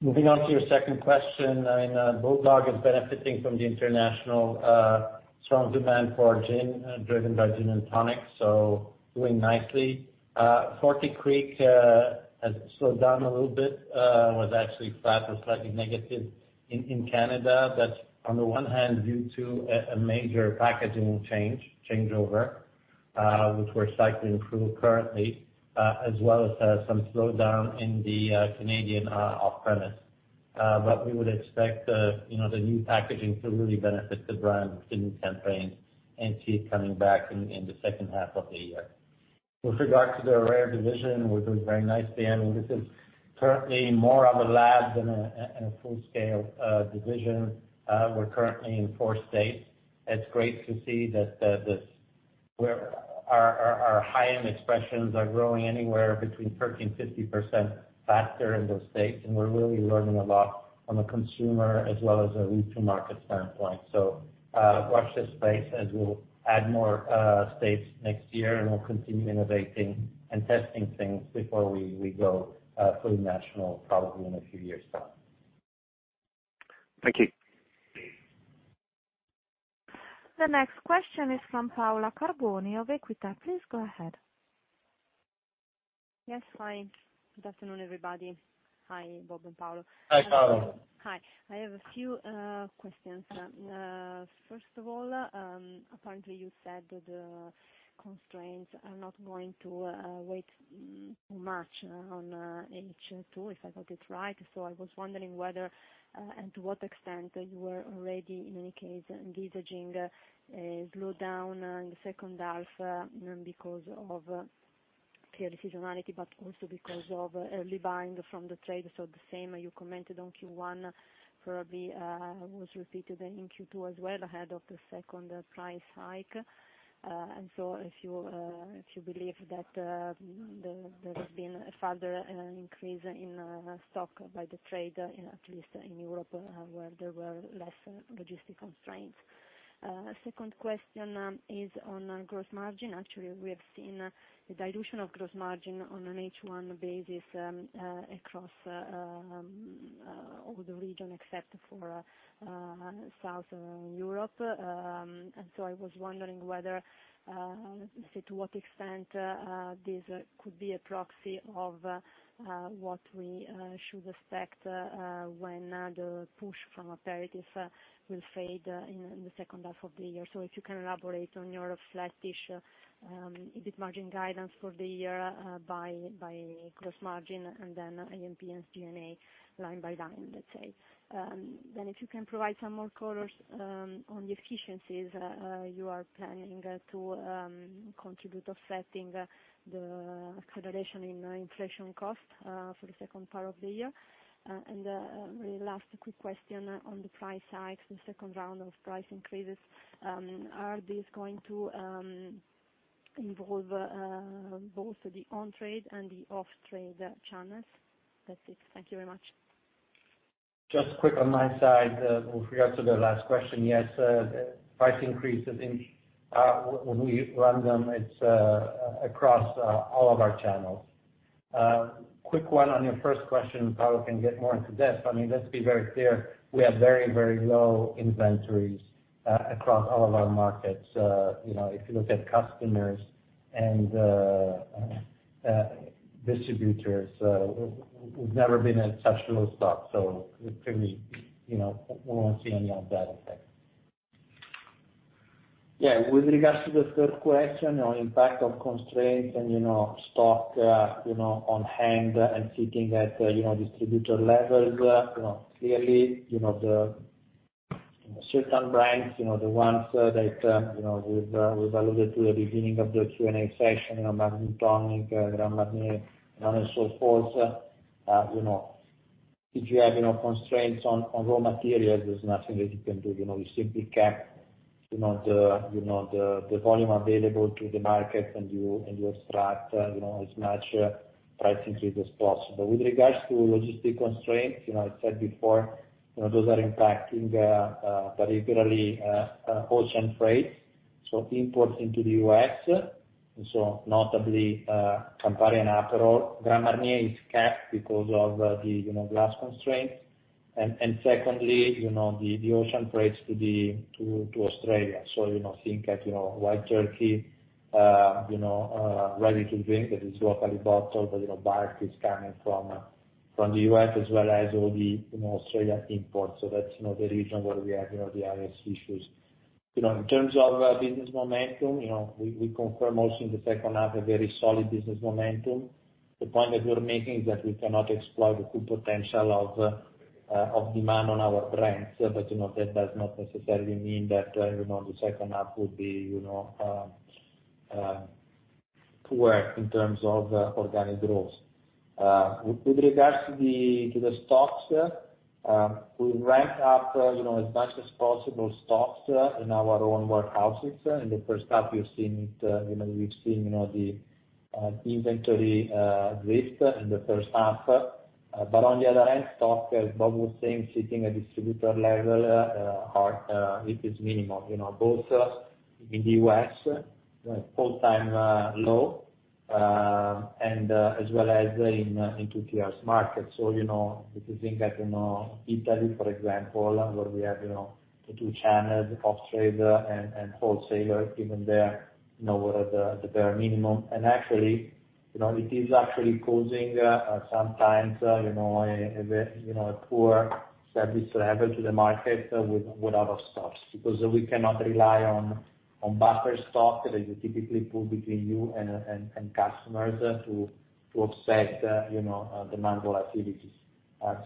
Moving on to your second question, I mean, BULLDOG is benefiting from the international strong demand for gin driven by gin and tonic, so doing nicely. Forty Creek has slowed down a little bit, was actually flat or slightly negative in Canada. That's on the one hand due to a major packaging changeover which we're starting to improve currently as well as some slowdown in the Canadian off-premise. But we would expect, you know, the new packaging to really benefit the brand in Canada, and see it coming back in the second half of the year. With regard to the RARE division, we're doing very nicely. I mean, this is currently more of a lab than a full scale division. We're currently in four states. It's great to see that where our high-end expressions are growing anywhere between 13%-50% faster in those states, and we're really learning a lot from a consumer as well as a retail market standpoint. Watch this space as we'll add more states next year, and we'll continue innovating and testing things before we go fully national probably in a few years' time. Thank you. The next question is from Paola Carboni of Equita. Please go ahead. Yes. Hi. Good afternoon, everybody. Hi, Bob and Paolo. Hi, Paola. Hi. I have a few questions. First of all, apparently you said that constraints are not going to weigh too much on H2, if I got this right. I was wondering whether, and to what extent you were already, in any case, envisaging a slowdown in the second half, because of clear seasonality, but also because of early buying from the trade. The same you commented on Q1 probably was repeated in Q2 as well ahead of the second price hike. If you believe that there has been a further increase in stock by the trade, in at least in Europe, where there were less logistic constraints. Second question is on gross margin. Actually, we have seen a dilution of gross margin on an H1 basis, across all the regions except for Southern Europe. I was wondering whether, say, to what extent this could be a proxy of what we should expect when the push from aperitif will fade in the second half of the year. If you can elaborate on your flat-ish EBIT margin guidance for the year by gross margin, and then A&P and SG&A line by line, let's say. If you can provide some more colors on the efficiencies you are planning to contribute offsetting the acceleration in inflation cost for the second part of the year. Really last quick question on the price hikes, the second round of price increases, are these going to involve both the on-trade and the off-trade channels? That's it. Thank you very much. Just quick on my side, with regards to the last question. Yes, price increases in, when we run them, it's across all of our channels. Quick one on your first question, Paolo can get more in depth. I mean, let's be very clear. We have very, very low inventories across all of our markets. You know, if you look at customers and distributors, we've never been at such low stock, so clearly, you know, we won't see any of that effect. Yeah. With regards to the third question on impact of constraints and, you know, stock, you know, on hand and sitting at, you know, distributor levels, you know, clearly, you know, the certain brands, you know, the ones that, you know, we've alluded to at the beginning of the Q&A session, you know, Magnum Tonic, Grand Marnier, and so forth. You know, if you have, you know, constraints on raw materials, there's nothing that you can do. You know, you simply cap, you know, the volume available to the market, and you extract, you know, as much price increase as possible. With regards to logistical constraints, you know, I said before, you know, those are impacting, particularly, ocean freight, so imports into the U.S., and so notably, Campari and Aperol. Grand Marnier is capped because of the, you know, glass constraints. Secondly, you know, the ocean freights to Australia. Think of, you know, Wild Turkey, you know, ready to drink that is locally bottled, but, you know, bulk is coming from the U.S. as well as all the, you know, Australian imports. That's, you know, the region where we have, you know, the highest issues. You know, in terms of business momentum, you know, we confirm also in the second half a very solid business momentum. The point that we're making is that we cannot exploit the full potential of demand on our brands. You know, that does not necessarily mean that, you know, the second half will be, you know, poor in terms of organic growth. With regards to the stocks, we rack up, you know, as much as possible stocks in our own warehouses. In the first half, you've seen it, you know, we've seen the inventory drift in the first half. But on the other hand, stock, as Bob was saying, sitting at distributor level, it is minimal. You know, both in the U.S., all time low, and as well as in the two-tier market. If you think about Italy, for example, where we have the two channels, off-trade and wholesaler, even there, you know, we're at the bare minimum. Actually, you know, it is actually causing sometimes, you know, a very, you know, poor service level to the market with out of stocks. Because we cannot rely on buffer stock that you typically put between you and customers to offset, you know, demand volatility.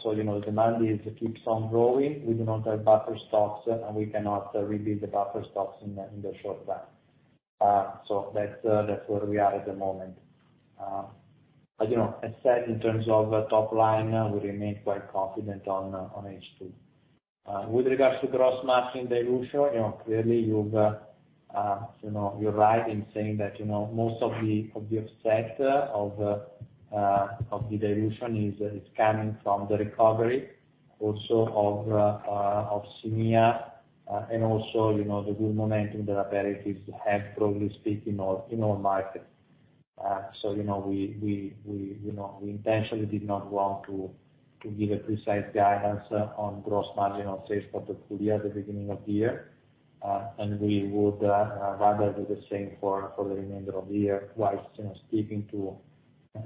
You know, demand keeps on growing. We do not have buffer stocks, and we cannot rebuild the buffer stocks in the short time. That's where we are at the moment. You know, as said in terms of top line, we remain quite confident on H2. With regards to gross margin dilution, you know, clearly you've, you know, you're right in saying that, you know, most of the offset of the dilution is coming from the recovery also of SEMEA, and also, you know, the good momentum that aperitifs have, broadly speaking, in all markets. You know, we intentionally did not want to give a precise guidance on gross margin on sales for the full year at the beginning of the year. We would rather do the same for the remainder of the year whilst, you know, speaking to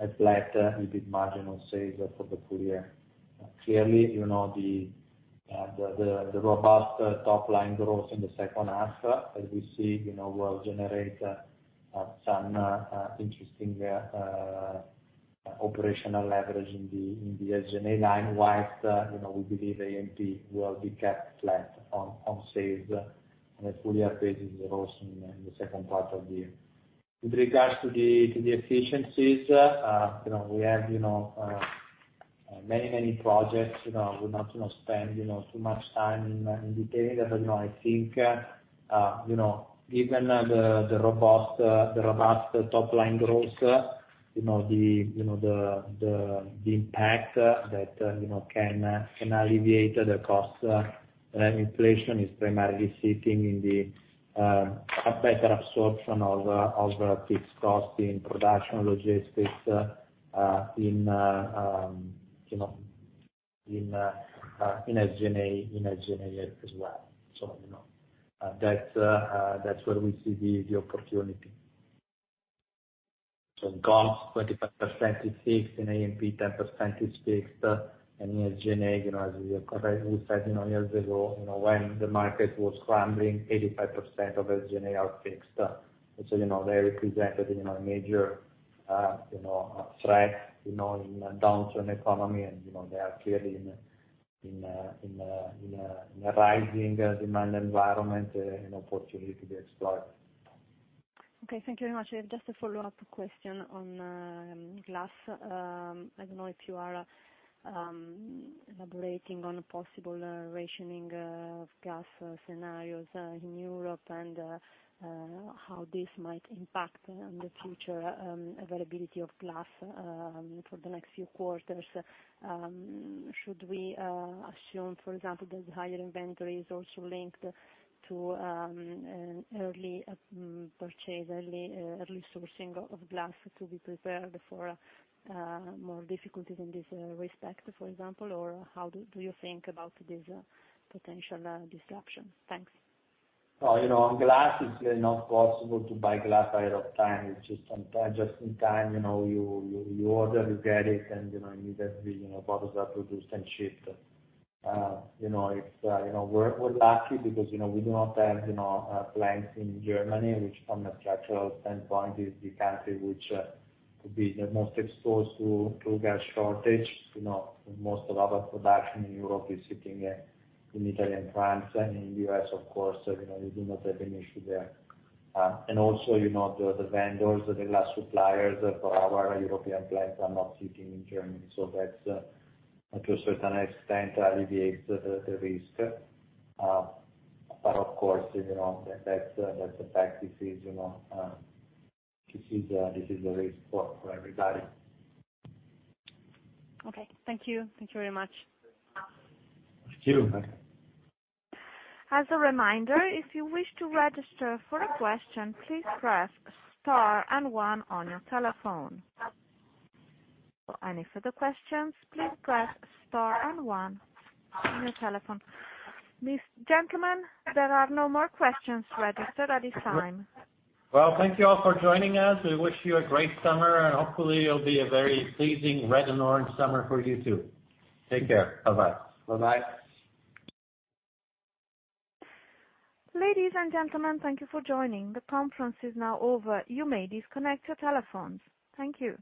a flat EBIT margin on sales for the full year. Clearly, you know, the robust top-line growth in the second half, as we see, you know, will generate some interesting operational leverage in the SG&A line whilst, you know, we believe A&P will be kept flat on sales on a full year basis also in the second part of the year. With regards to the efficiencies, you know, we have many projects. You know, we'll not spend too much time in detail. You know, I think, you know, given the robust top-line growth, you know, the impact that can alleviate the cost inflation is primarily sitting in a better absorption of fixed costs in production, logistics, in SG&A as well. You know, that's where we see the opportunity. In glass, 25% is fixed. In A&P, 10% is fixed. And in SG&A, you know, as we currently said, you know, years ago, you know, when the market was crumbling, 85% of SG&A are fixed. You know, they represented, you know, a major, you know, threat, you know, in a downturn economy and, you know, they are clearly in a rising demand environment, an opportunity to explore. Okay. Thank you very much. I have just a follow-up question on glass. I don't know if you are elaborating on a possible rationing of glass scenarios in Europe and how this might impact on the future availability of glass for the next few quarters. Should we assume, for example, the higher inventory is also linked to an early sourcing of glass to be prepared for more difficulties in this respect, for example? Or how do you think about this potential disruption? Thanks. Oh, you know, on glass it's not possible to buy glass ahead of time. It's just on time, just in time, you know, you order, you get it, and, you know, immediately, you know, products are produced and shipped. You know, it's, you know, we're lucky because, you know, we do not have, you know, plants in Germany, which from a structural standpoint is the country which could be the most exposed to gas shortage. You know, most of our production in Europe is sitting in Italy and France and in U.S. of course, you know, we do not have an issue there. Also, you know, the vendors, the glass suppliers for our European plants are not sitting in Germany, so that to a certain extent alleviates the risk. Of course, you know, that's a fact. This is a risk for everybody. Okay. Thank you. Thank you very much. Thank you. As a reminder, if you wish to register for a question, please press star and one on your telephone. For any further questions, please press star and one on your telephone. Gentlemen, there are no more questions registered at this time. Well, thank you all for joining us. We wish you a great summer, and hopefully it'll be a very pleasing red and orange summer for you too. Take care. Bye-bye. Bye-bye. Ladies and gentlemen, thank you for joining. The conference is now over. You may disconnect your telephones. Thank you.